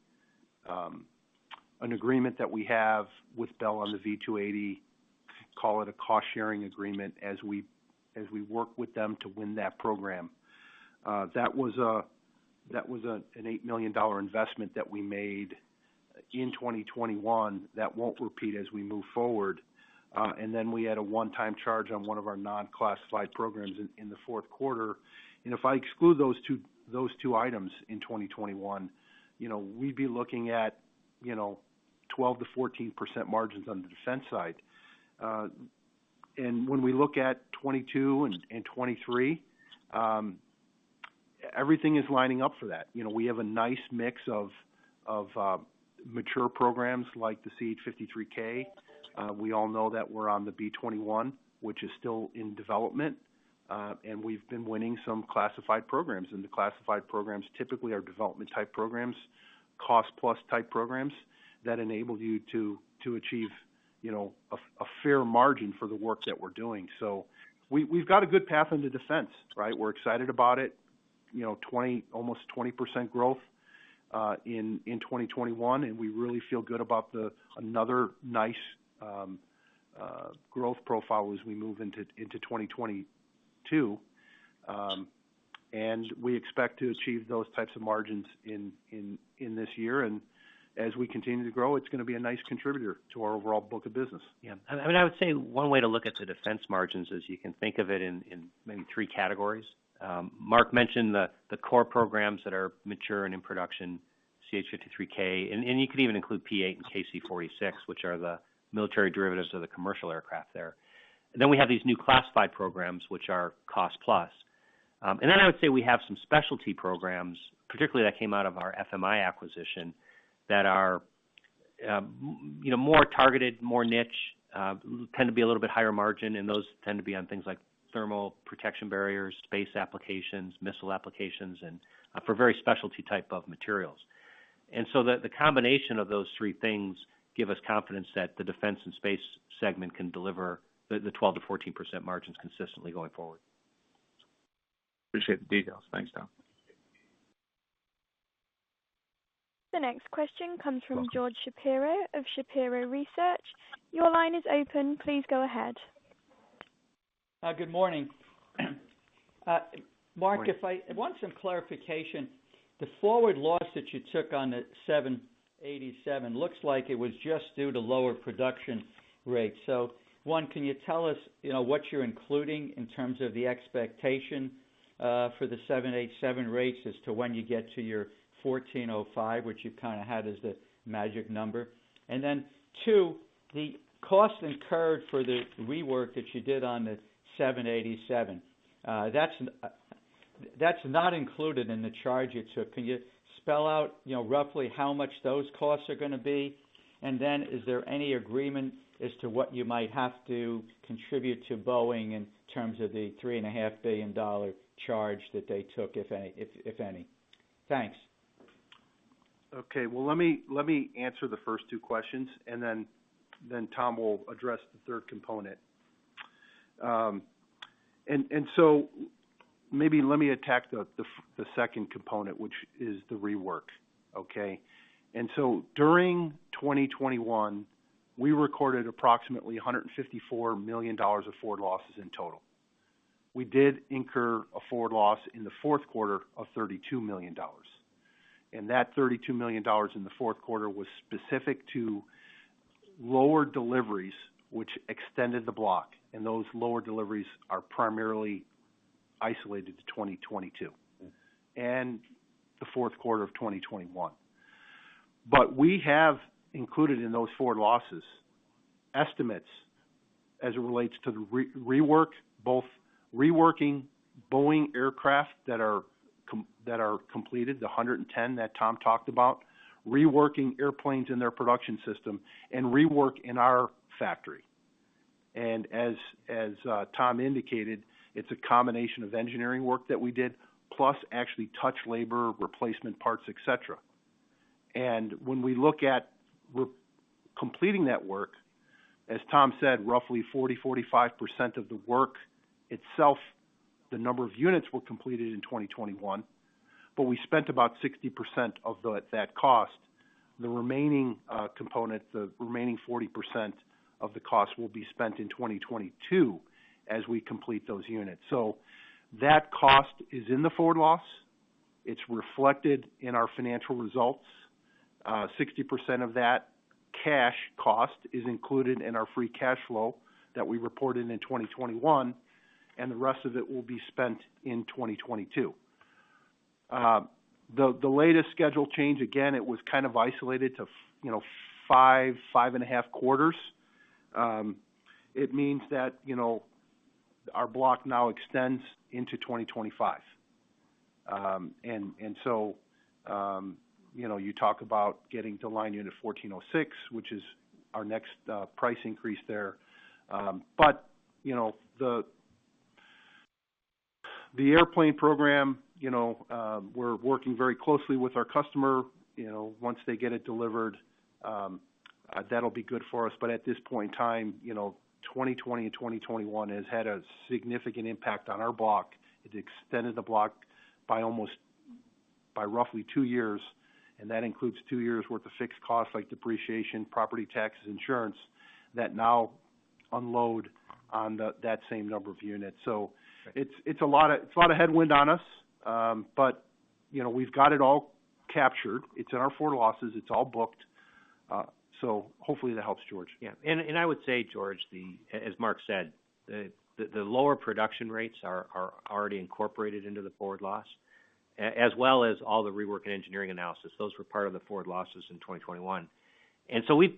agreement that we have with Bell on the V-280, call it a cost-sharing agreement, as we work with them to win that program. That was an $8 million investment that we made in 2021 that won't repeat as we move forward. Then we had a one-time charge on one of our non-classified programs in the fourth quarter. If I exclude those two items in 2021, you know, we'd be looking at 12%-14% margins on the defense side. When we look at 2022 and 2023, everything is lining up for that. You know, we have a nice mix of mature programs like the CH-53K. We all know that we're on the B-21, which is still in development. We've been winning some classified programs, and the classified programs typically are development-type programs, cost plus type programs that enable you to achieve, you know, a fair margin for the work that we're doing. We've got a good path into defense, right? We're excited about it. You know, almost 20% growth in 2021, and we really feel good about another nice growth profile as we move into 2022. We expect to achieve those types of margins in this year. As we continue to grow, it's gonna be a nice contributor to our overall book of business. Yeah. I mean, I would say one way to look at the defense margins is you can think of it in maybe three categories. Mark mentioned the core programs that are mature and in production, CH-53K, and you could even include P-8 and KC-46, which are the military derivatives of the commercial aircraft there. We have these new classified programs, which are cost plus. I would say we have some specialty programs, particularly that came out of our FMI acquisition, that are, you know, more targeted, more niche, tend to be a little bit higher margin, and those tend to be on things like thermal protection barriers, space applications, missile applications, and for very specialty type of materials. The combination of those three things give us confidence that the Defense and Space segment can deliver the 12%-14% margins consistently going forward. Appreciate the details. Thanks, Tom. The next question comes from George Shapiro of Shapiro Research. Your line is open. Please go ahead. Good morning, Mark. Morning. I want some clarification. The forward loss that you took on the 787 looks like it was just due to lower production rates. One, can you tell us, you know, what you're including in terms of the expectation for the 787 rates as to when you get to your 14.05, which you've kind of had as the magic number? Two, the cost incurred for the rework that you did on the 787, that's not included in the charge you took. Can you spell out, you know, roughly how much those costs are gonna be? Is there any agreement as to what you might have to contribute to Boeing in terms of the $3.5 billion charge that they took, if any? Thanks. Okay. Well, let me answer the first two questions, and then Tom will address the third component. Maybe let me attack the second component, which is the rework. Okay? During 2021, we recorded approximately $154 million of forward losses in total. We did incur a forward loss in the fourth quarter of $32 million. That $32 million in the fourth quarter was specific to lower deliveries, which extended the block, and those lower deliveries are primarily isolated to 2022 and the fourth quarter of 2021. We have included in those forward losses estimates as it relates to the rework, both reworking Boeing aircraft that are completed, the 110 that Tom talked about, reworking airplanes in their production system, and rework in our factory. As Tom indicated, it's a combination of engineering work that we did, plus actually touch labor, replacement parts, et cetera. When we look at re-completing that work, as Tom said, roughly 40%-45% of the work itself, the number of units were completed in 2021, but we spent about 60% of that cost. The remaining component, the remaining 40% of the cost will be spent in 2022 as we complete those units. That cost is in the forward loss. It's reflected in our financial results. Sixty percent of that cash cost is included in our free cash flow that we reported in 2021, and the rest of it will be spent in 2022. The latest schedule change, again, it was kind of isolated to, you know, five and a half quarters. It means that, you know, our block now extends into 2025. You know, you talk about getting to line unit 1406, which is our next price increase there. You know, the airplane program, you know, we're working very closely with our customer. You know, once they get it delivered, that'll be good for us. At this point in time, you know, 2020 and 2021 has had a significant impact on our block. It extended the block by roughly two years, and that includes two years' worth of fixed costs like depreciation, property taxes, insurance, that now unload on that same number of units. It's a lot of headwind on us. You know, we've got it all captured. It's in our forward losses. It's all booked. Hopefully that helps, George. I would say, George, as Mark said, the lower production rates are already incorporated into the forward loss, as well as all the rework and engineering analysis. Those were part of the forward losses in 2021.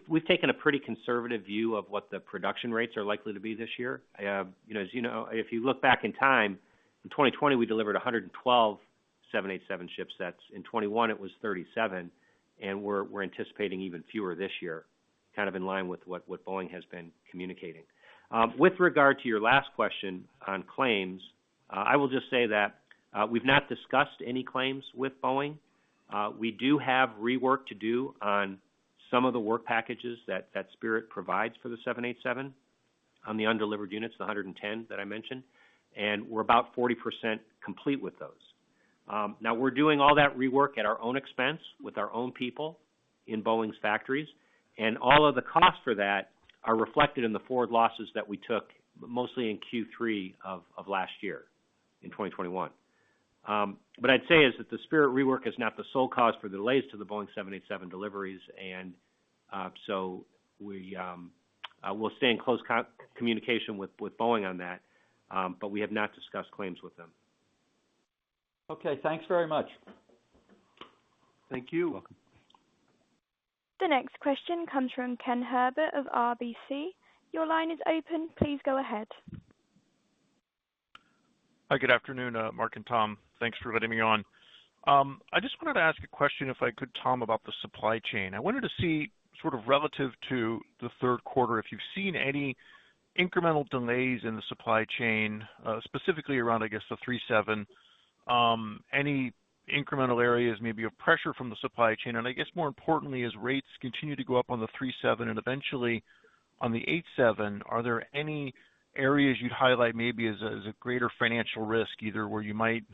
We've taken a pretty conservative view of what the production rates are likely to be this year. You know, as you know, if you look back in time, in 2020, we delivered 112 787 shipsets. In 2021, it was 37, and we're anticipating even fewer this year, kind of in line with what Boeing has been communicating. With regard to your last question on claims, I will just say that we've not discussed any claims with Boeing. We do have rework to do on some of the work packages that Spirit provides for the 787 on the undelivered units, the 110 that I mentioned. We're about 40% complete with those. Now we're doing all that rework at our own expense with our own people in Boeing's factories. All of the costs for that are reflected in the forward losses that we took, mostly in Q3 of last year in 2021. What I'd say is that the Spirit rework is not the sole cause for the delays to the Boeing 787 deliveries. We'll stay in close communication with Boeing on that, but we have not discussed claims with them. Okay, thanks very much. Thank you. Welcome. The next question comes from Ken Herbert of RBC. Your line is open. Please go ahead. Hi, good afternoon, Mark and Tom. Thanks for letting me on. I just wanted to ask a question, if I could, Tom, about the supply chain. I wanted to see sort of relative to the third quarter, if you've seen any incremental delays in the supply chain, specifically around, I guess, the 737, any incremental areas, maybe of pressure from the supply chain. I guess more importantly, as rates continue to go up on the 737 and eventually on the 787, are there any areas you'd highlight maybe as a greater financial risk, either where you might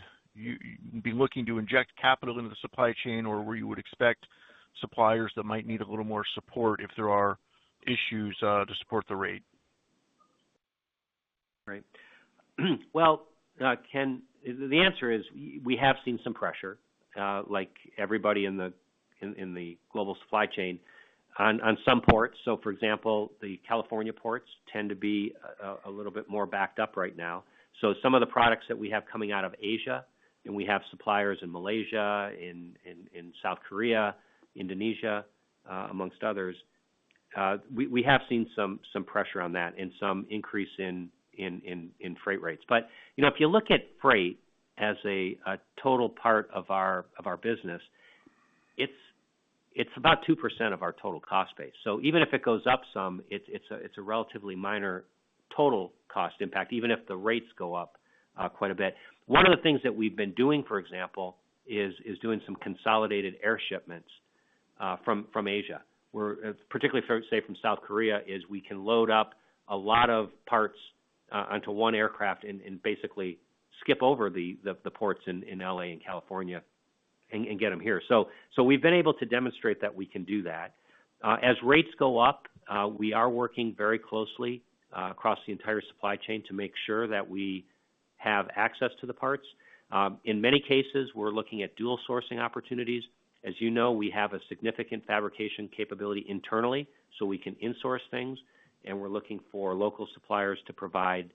be looking to inject capital into the supply chain or where you would expect suppliers that might need a little more support if there are issues, to support the rate? Right. Well, Ken, the answer is we have seen some pressure, like everybody in the global supply chain on some ports. For example, the California ports tend to be a little bit more backed up right now. Some of the products that we have coming out of Asia, and we have suppliers in Malaysia, in South Korea, Indonesia, amongst others, we have seen some pressure on that and some increase in freight rates. But, you know, if you look at freight as a total part of our business, it's about 2% of our total cost base. Even if it goes up some, it's a relatively minor total cost impact, even if the rates go up quite a bit. One of the things that we've been doing, for example, is doing some consolidated air shipments from Asia, where particularly for, say, from South Korea, we can load up a lot of parts onto one aircraft and basically skip over the ports in L.A. and California and get them here. We've been able to demonstrate that we can do that. As rates go up, we are working very closely across the entire supply chain to make sure that we have access to the parts. In many cases, we're looking at dual sourcing opportunities. As you know, we have a significant fabrication capability internally, so we can insource things, and we're looking for local suppliers to provide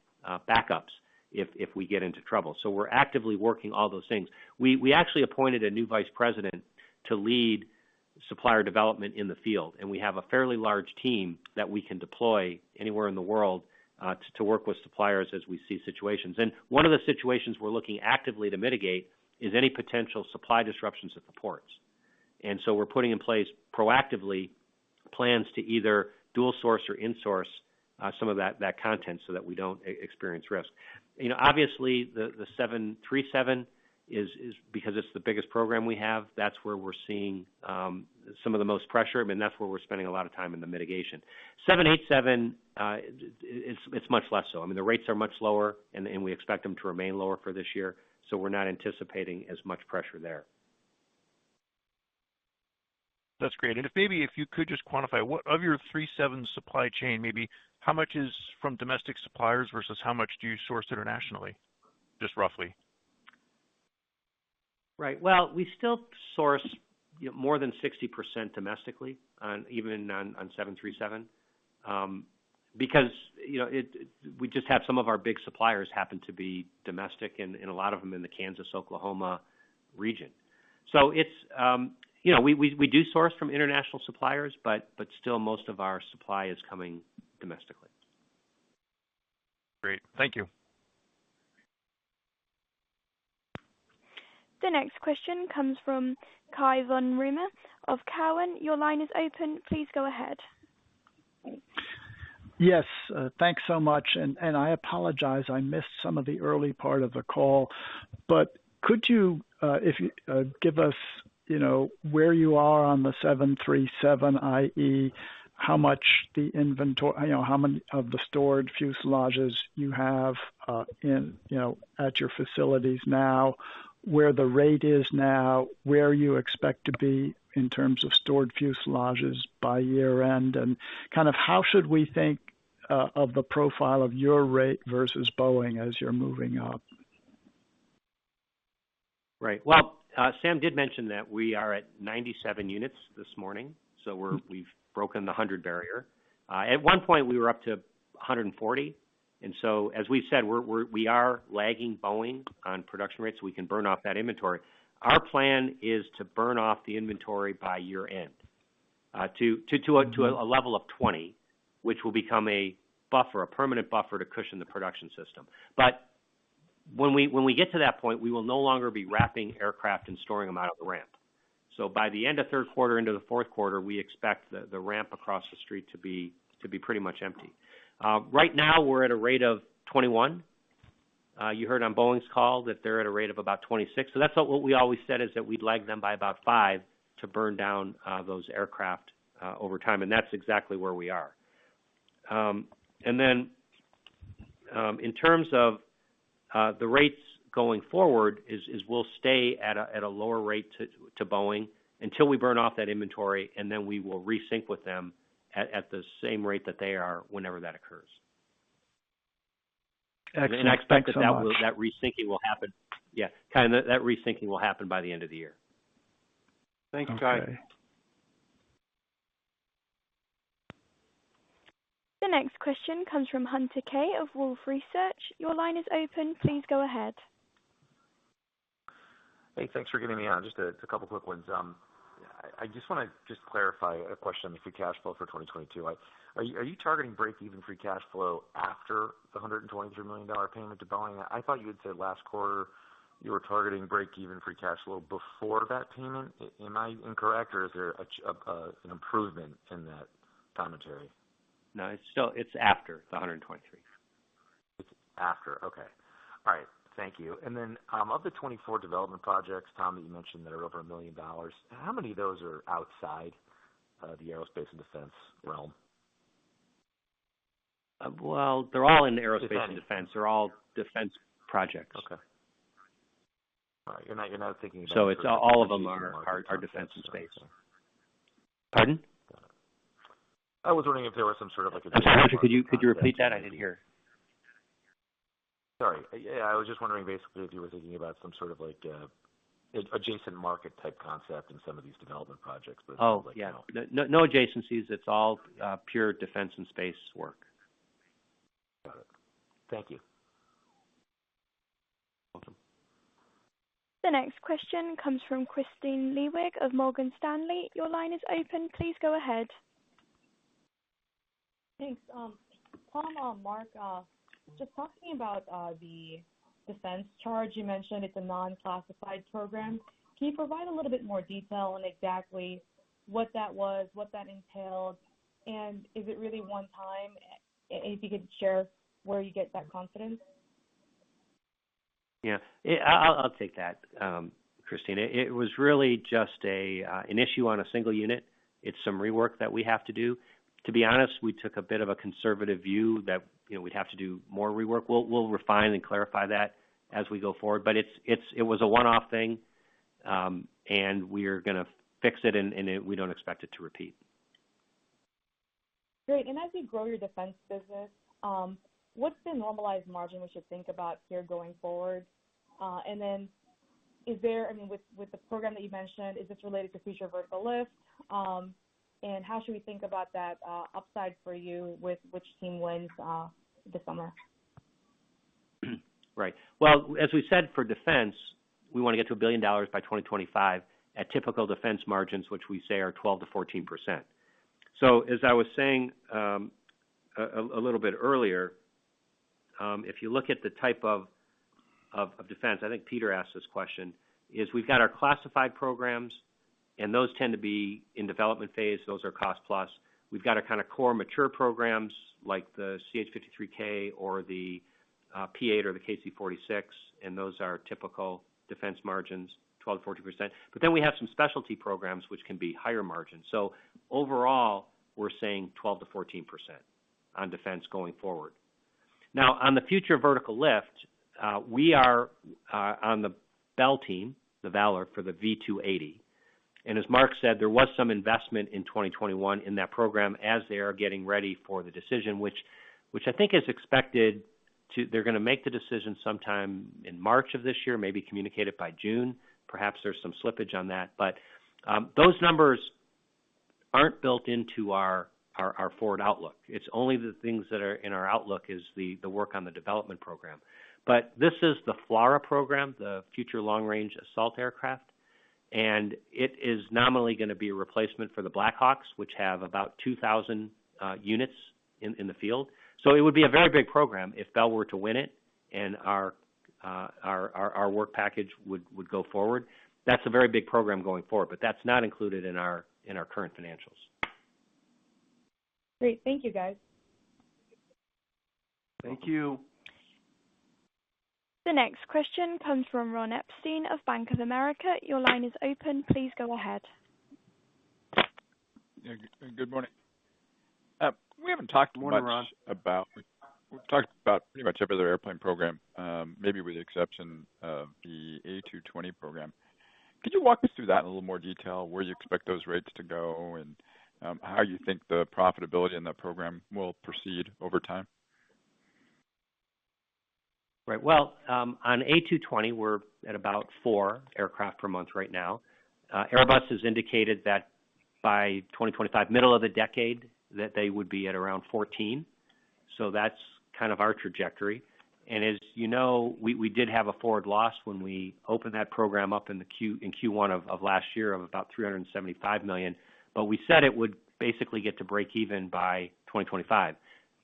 backups if we get into trouble. We're actively working all those things. We actually appointed a new vice president to lead supplier development in the field, and we have a fairly large team that we can deploy anywhere in the world to work with suppliers as we see situations. One of the situations we're looking actively to mitigate is any potential supply disruptions at the ports. We're putting in place proactively plans to either dual source or insource some of that content so that we don't experience risk. You know, obviously the 737 is because it's the biggest program we have. That's where we're seeing some of the most pressure, and that's where we're spending a lot of time in the mitigation. 787, it's much less so. I mean, the rates are much lower and we expect them to remain lower for this year, so we're not anticipating as much pressure there. That's great. If maybe you could just quantify what of your 737 supply chain, maybe how much is from domestic suppliers versus how much do you source internationally, just roughly? Right. Well, we still source more than 60% domestically on even on 737, because, you know, we just have some of our big suppliers happen to be domestic and a lot of them in the Kansas, Oklahoma region. So it's, you know, we do source from international suppliers, but still most of our supply is coming domestically. Great. Thank you. The next question comes from Cai von Rumohr of Cowen. Your line is open. Please go ahead. Yes. Thanks so much. I apologize, I missed some of the early part of the call. Could you give us, you know, where you are on the 737, i.e., how much the inventory, you know, how many of the stored fuselages you have in, you know, at your facilities now, where the rate is now, where you expect to be in terms of stored fuselages by year-end, and kind of how should we think of the profile of your rate versus Boeing as you're moving up? Right. Well, Sam did mention that we are at 97 units this morning, so we've broken the 100 barrier. At one point, we were up to 140. As we've said, we are lagging Boeing on production rates. We can burn off that inventory. Our plan is to burn off the inventory by year-end to a level of 20, which will become a buffer, a permanent buffer to cushion the production system. When we get to that point, we will no longer be wrapping aircraft and storing them out at the ramp. By the end of third quarter into the fourth quarter, we expect the ramp across the street to be pretty much empty. Right now, we're at a rate of 21. You heard on Boeing's call that they're at a rate of about 26. That's what we always said is that we'd lag them by about five to burn down those aircraft over time, and that's exactly where we are. In terms of the rates going forward is we'll stay at a lower rate to Boeing until we burn off that inventory, and then we will re-sync with them at the same rate that they are whenever that occurs. Excellent. Thanks so much. I expect that re-syncing will happen by the end of the year. Thanks, Cai. The next question comes from Hunter Keay of Wolfe Research. Your line is open. Please go ahead. Hey, thanks for getting me on. Just a couple quick ones. I just wanna clarify a question, the free cash flow for 2022. Are you targeting break-even free cash flow after the $123 million payment to Boeing? I thought you had said last quarter you were targeting break-even free cash flow before that payment. Am I incorrect, or is there an improvement in that commentary? No, it's still after the 123. It's after. Okay. All right. Thank you. Then, of the 24 development projects, Tom, you mentioned that are over $1 million, how many of those are outside the aerospace and defense realm? Well, they're all in aerospace and defense. They're all defense projects. Okay. All right. You're not thinking about. It's all of them are Defense and Space. Pardon? I was wondering if there was some sort of. I'm sorry, Hunter, could you repeat that? I didn't hear. Sorry. Yeah, I was just wondering basically if you were thinking about some sort of like adjacent market type concept in some of these development projects, but. Oh, yeah. No, no adjacencies. It's all pure Defense and Space work. Got it. Thank you. The next question comes from Kristine Liwag of Morgan Stanley. Your line is open. Please go ahead. Thanks. Tom, Mark, just talking about the defense charge, you mentioned it's a non-classified program. Can you provide a little bit more detail on exactly what that was, what that entailed? Is it really one time? If you could share where you get that confidence. Yeah. I'll take that, Christine. It was really just an issue on a single unit. It's some rework that we have to do. To be honest, we took a bit of a conservative view that, you know, we'd have to do more rework. We'll refine and clarify that as we go forward. But it was a one-off thing, and we're gonna fix it, and we don't expect it to repeat. Great. As you grow your Defense business, what's the normalized margin we should think about here going forward? I mean, with the program that you mentioned, is this related to Future Vertical Lift? How should we think about that upside for you with which team wins this summer? Right. Well, as we said, for defense, we wanna get to $1 billion by 2025 at typical defense margins, which we say are 12%-14%. As I was saying, a little bit earlier, if you look at the type of defense, I think Peter asked this question, is we've got our classified programs, and those tend to be in development phase. Those are cost plus. We've got our kinda core mature programs like the CH-53K or the P-8 or the KC-46, and those are typical defense margins, 12%-14%. But then we have some specialty programs which can be higher margin. Overall, we're saying 12%-14% on defense going forward. Now on the Future Vertical Lift, we are on the Bell team, the V-280. As Mark said, there was some investment in 2021 in that program as they are getting ready for the decision, which I think is expected. They're gonna make the decision sometime in March of this year, maybe communicate it by June. Perhaps there's some slippage on that. Those numbers aren't built into our forward outlook. It's only the things that are in our outlook is the work on the development program. This is the FLRAA program, the Future Long-Range Assault Aircraft, and it is nominally gonna be a replacement for the Blackhawks, which have about 2,000 units in the field. It would be a very big program if Bell were to win it and our work package would go forward. That's a very big program going forward, but that's not included in our current financials. Great. Thank you, guys. Thank you. The next question comes from Ron Epstein of Bank of America. Your line is open. Please go ahead. Yeah, good morning. We haven't talked much. Morning, Ron. We've talked about pretty much every other airplane program, maybe with the exception of the A220 program. Could you walk us through that in a little more detail, where you expect those rates to go and, how you think the profitability in that program will proceed over time? Right. Well, on A220, we're at about four aircraft per month right now. Airbus has indicated that by 2025, middle of the decade, that they would be at around 14. That's kind of our trajectory. As you know, we did have a forward loss when we opened that program up in Q1 of last year of about $375 million. We said it would basically get to break even by 2025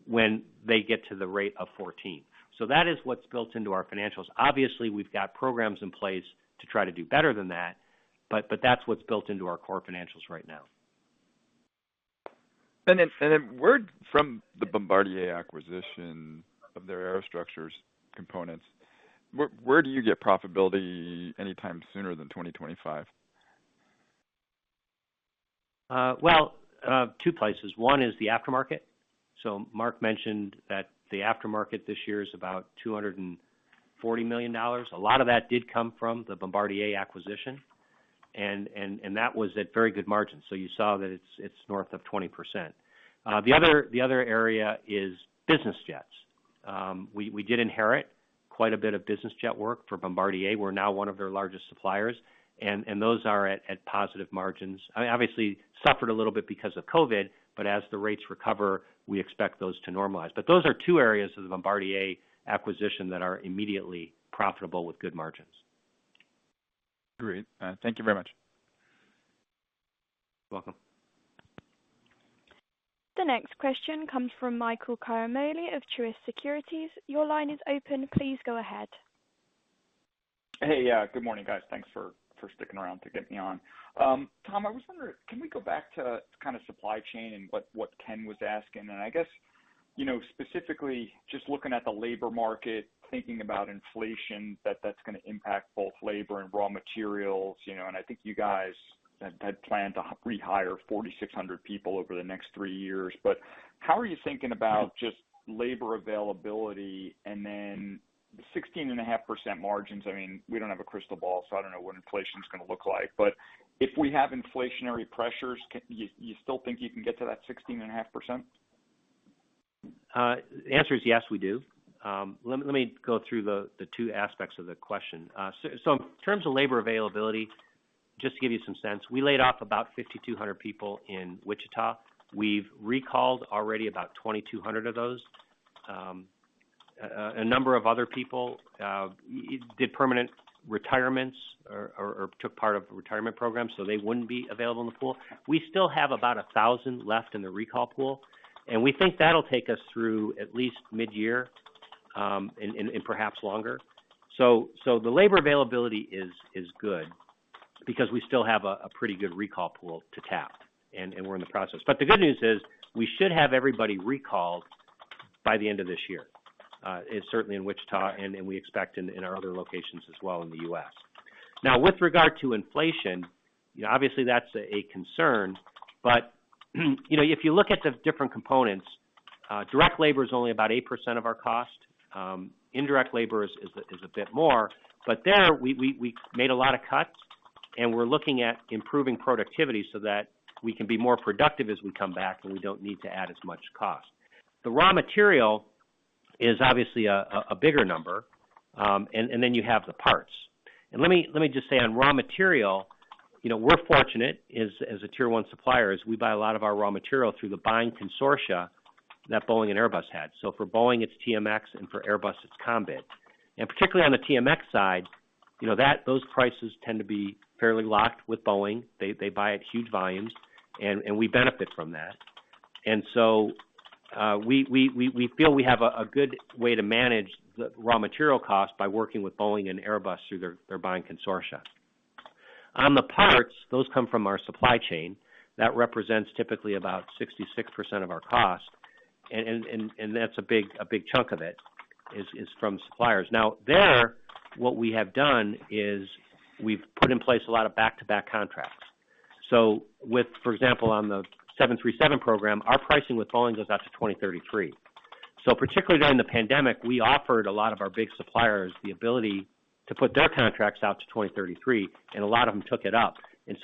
when they get to the rate of 14. That is what's built into our financials. Obviously, we've got programs in place to try to do better than that, but that's what's built into our core financials right now. From the Bombardier acquisition of their aerostructures components, where do you get profitability anytime sooner than 2025? Well, two places. One is the aftermarket. Mark mentioned that the aftermarket this year is about $240 million. A lot of that did come from the Bombardier acquisition, and that was at very good margins. You saw that it's north of 20%. The other area is business jets. We did inherit quite a bit of business jet work for Bombardier. We're now one of their largest suppliers, and those are at positive margins. I mean, obviously suffered a little bit because of COVID, but as the rates recover, we expect those to normalize. Those are two areas of the Bombardier acquisition that are immediately profitable with good margins. Great. Thank you very much. You're welcome. The next question comes from Michael Ciarmoli of Truist Securities. Your line is open. Please go ahead. Hey. Yeah, good morning, guys. Thanks for sticking around to get me on. Tom, I was wondering, can we go back to kinda supply chain and what Ken was asking? I guess, you know, specifically just looking at the labor market, thinking about inflation, that's gonna impact both labor and raw materials, you know, and I think you guys had planned to rehire 4,600 people over the next three years. How are you thinking about just labor availability and then the 16.5% margins? I mean, we don't have a crystal ball, so I don't know what inflation's gonna look like. If we have inflationary pressures, you still think you can get to that 16.5%? The answer is yes, we do. Let me go through the two aspects of the question. In terms of labor availability. Just to give you some sense, we laid off about 5,200 people in Wichita. We've recalled already about 2,200 of those. A number of other people did permanent retirements or took part of retirement programs, so they wouldn't be available in the pool. We still have about 1,000 left in the recall pool, and we think that'll take us through at least midyear, and perhaps longer. The labor availability is good because we still have a pretty good recall pool to tap, and we're in the process. The good news is we should have everybody recalled by the end of this year, and certainly in Wichita, and we expect in our other locations as well in the U.S. Now, with regard to inflation, you know, obviously that's a concern. You know, if you look at the different components, direct labor is only about 8% of our cost. Indirect labor is a bit more. There we made a lot of cuts, and we're looking at improving productivity so that we can be more productive as we come back, and we don't need to add as much cost. The raw material is obviously a bigger number. And then you have the parts. Let me just say on raw material, you know, we're fortunate as a tier one supplier, we buy a lot of our raw material through the buying consortia that Boeing and Airbus had. For Boeing, it's TMX, and for Airbus, it's COMMISS. Particularly on the TMX side, you know, those prices tend to be fairly locked with Boeing. They buy at huge volumes, and we benefit from that. We feel we have a good way to manage the raw material cost by working with Boeing and Airbus through their buying consortia. On the parts, those come from our supply chain. That represents typically about 66% of our cost. That's a big chunk of it from suppliers. What we have done is we've put in place a lot of back-to-back contracts. With, for example, on the 737 program, our pricing with Boeing goes out to 2033. Particularly during the pandemic, we offered a lot of our big suppliers the ability to put their contracts out to 2033, and a lot of them took it up.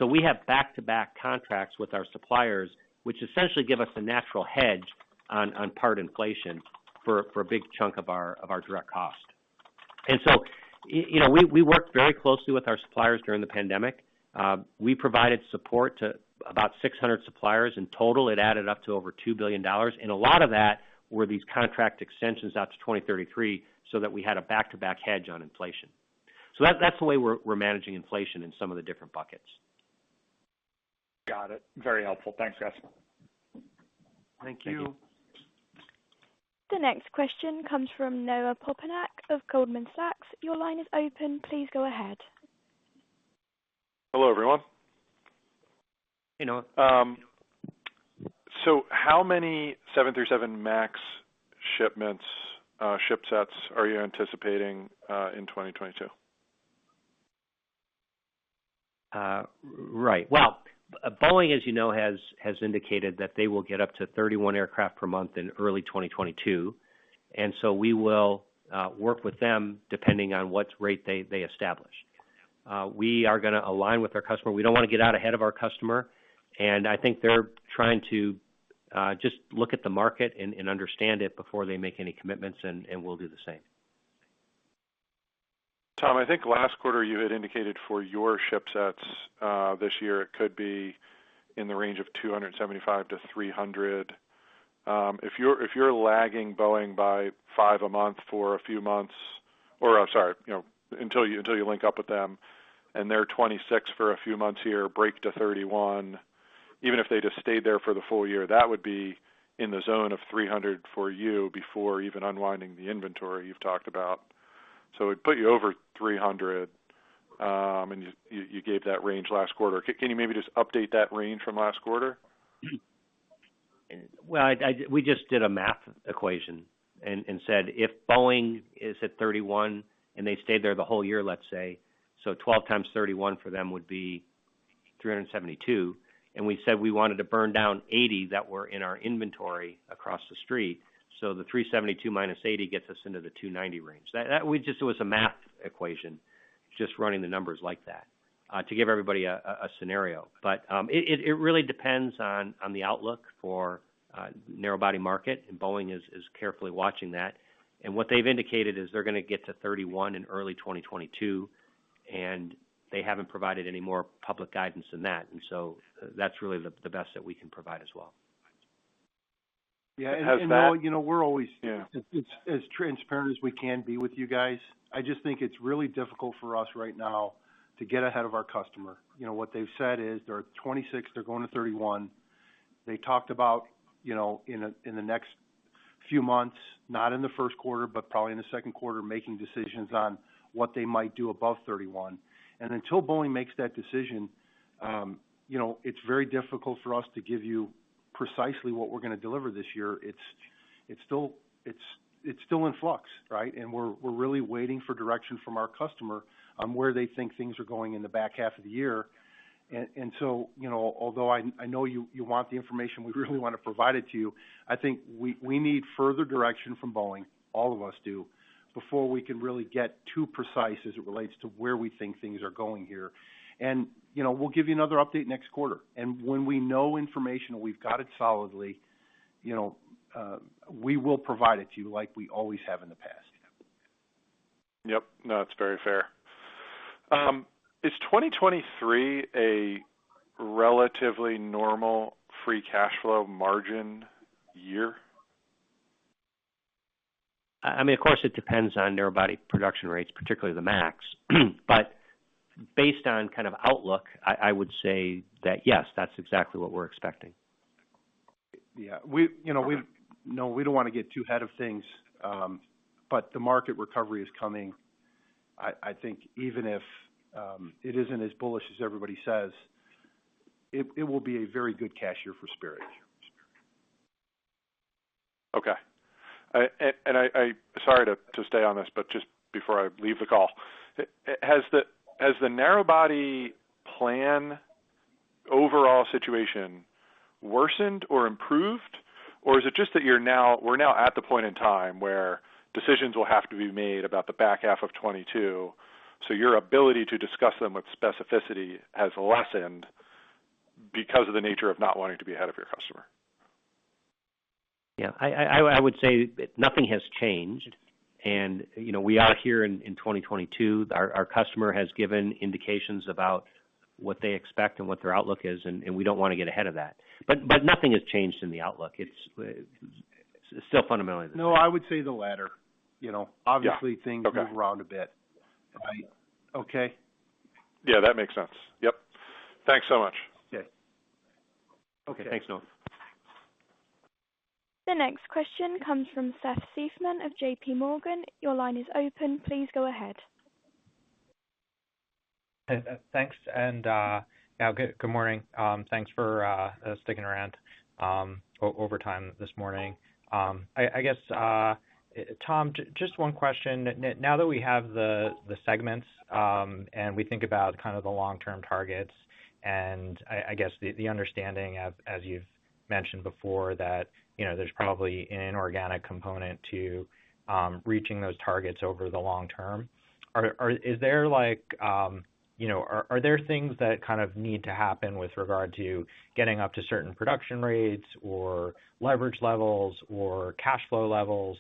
We have back-to-back contracts with our suppliers, which essentially give us a natural hedge on part inflation for a big chunk of our direct cost. You know, we worked very closely with our suppliers during the pandemic. We provided support to about 600 suppliers. In total, it added up to over $2 billion, and a lot of that were these contract extensions out to 2033, so that we had a back-to-back hedge on inflation. That's the way we're managing inflation in some of the different buckets. Got it. Very helpful. Thanks, guys. Thank you. Thank you. The next question comes from Noah Poponak of Goldman Sachs. Your line is open. Please go ahead. Hello, everyone. Hey, Noah. How many 737 MAX shipments, ship sets are you anticipating in 2022? Right. Well, Boeing, as you know, has indicated that they will get up to 31 aircraft per month in early 2022, and so we will work with them depending on what rate they establish. We are gonna align with our customer. We don't wanna get out ahead of our customer, and I think they're trying to just look at the market and understand it before they make any commitments, and we'll do the same. Tom, I think last quarter you had indicated for your ship sets this year, it could be in the range of 275 to 300. If you're lagging Boeing by five a month for a few months, you know, until you link up with them, and they're 26 for a few months here, break to 31, even if they just stayed there for the full year, that would be in the zone of 300 for you before even unwinding the inventory you've talked about. It'd put you over 300, and you gave that range last quarter. Can you maybe just update that range from last quarter? We just did a math equation and said, if Boeing is at 31 and they stayed there the whole year, let's say, so 12 times 31 for them would be 372, and we said we wanted to burn down 80 that were in our inventory across the street. 372 minus 80 gets us into the 290 range. It was a math equation, just running the numbers like that, to give everybody a scenario. It really depends on the outlook for narrow-body market, and Boeing is carefully watching that. What they've indicated is they're gonna get to 31 in early 2022, and they haven't provided any more public guidance than that. That's really the best that we can provide as well. Yeah. And how's that- Noah, you know, we're always- Yeah. As transparent as we can be with you guys. I just think it's really difficult for us right now to get ahead of our customer. You know, what they've said is they're at 26, they're going to 31. They talked about, you know, in the next few months, not in the first quarter, but probably in the second quarter, making decisions on what they might do above 31. Until Boeing makes that decision, you know, it's very difficult for us to give you precisely what we're gonna deliver this year. It's still in flux, right? We're really waiting for direction from our customer on where they think things are going in the back half of the year. You know, although I know you want the information, we really want to provide it to you. I think we need further direction from Boeing, all of us do, before we can really get too precise as it relates to where we think things are going here. You know, we'll give you another update next quarter. When we know information and we've got it solidly, you know, we will provide it to you like we always have in the past. Yep. No, that's very fair. Is 2023 a relatively normal free cash flow margin year? I mean, of course, it depends on narrow-body production rates, particularly the MAX. Based on kind of outlook, I would say that, yes, that's exactly what we're expecting. Yeah. You know, no, we don't wanna get too ahead of things, but the market recovery is coming. I think even if it isn't as bullish as everybody says, it will be a very good cash year for Spirit. Okay, sorry to stay on this, but just before I leave the call, has the narrow-body plan overall situation worsened or improved? Or is it just that we're now at the point in time where decisions will have to be made about the back half of 2022, so your ability to discuss them with specificity has lessened because of the nature of not wanting to be ahead of your customer? Yeah. I would say nothing has changed. You know, we are here in 2022. Our customer has given indications about what they expect and what their outlook is, and we don't wanna get ahead of that. Nothing has changed in the outlook. It's still fundamentally the same. No, I would say the latter. You know. Yeah. Okay. Obviously, things move around a bit. Okay. Yeah, that makes sense. Yep. Thanks so much. Okay. Okay. Thanks, Noah. The next question comes from Seth Seifman of J.P. Morgan. Your line is open. Please go ahead. Thanks. Yeah, good morning. Thanks for sticking around overtime this morning. I guess, Tom, just one question. Now that we have the segments and we think about kind of the long-term targets, and I guess the understanding as you've mentioned before, that you know there's probably an inorganic component to reaching those targets over the long term. Are there things that kind of need to happen with regard to getting up to certain production rates or leverage levels or cash flow levels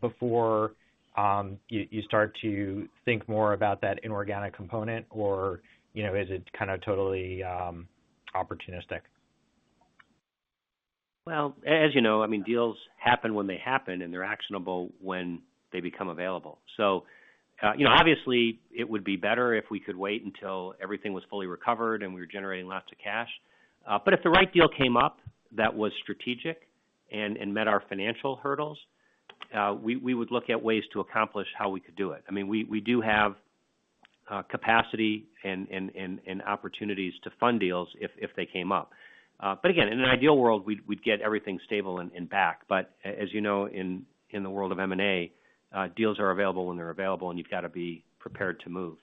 before you start to think more about that inorganic component? Or, you know, is it kind of totally opportunistic? Well, as you know, I mean, deals happen when they happen, and they're actionable when they become available. You know, obviously it would be better if we could wait until everything was fully recovered and we were generating lots of cash. If the right deal came up that was strategic and met our financial hurdles, we would look at ways to accomplish how we could do it. I mean, we do have capacity and opportunities to fund deals if they came up. Again, in an ideal world, we'd get everything stable and back. As you know, in the world of M&A, deals are available when they're available, and you've got to be prepared to move.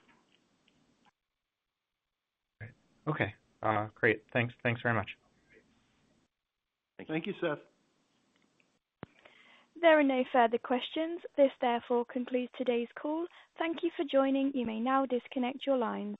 Okay. Great. Thanks very much. Thank you. Thank you, Seth. There are no further questions. This therefore concludes today's call. Thank you for joining. You may now disconnect your line.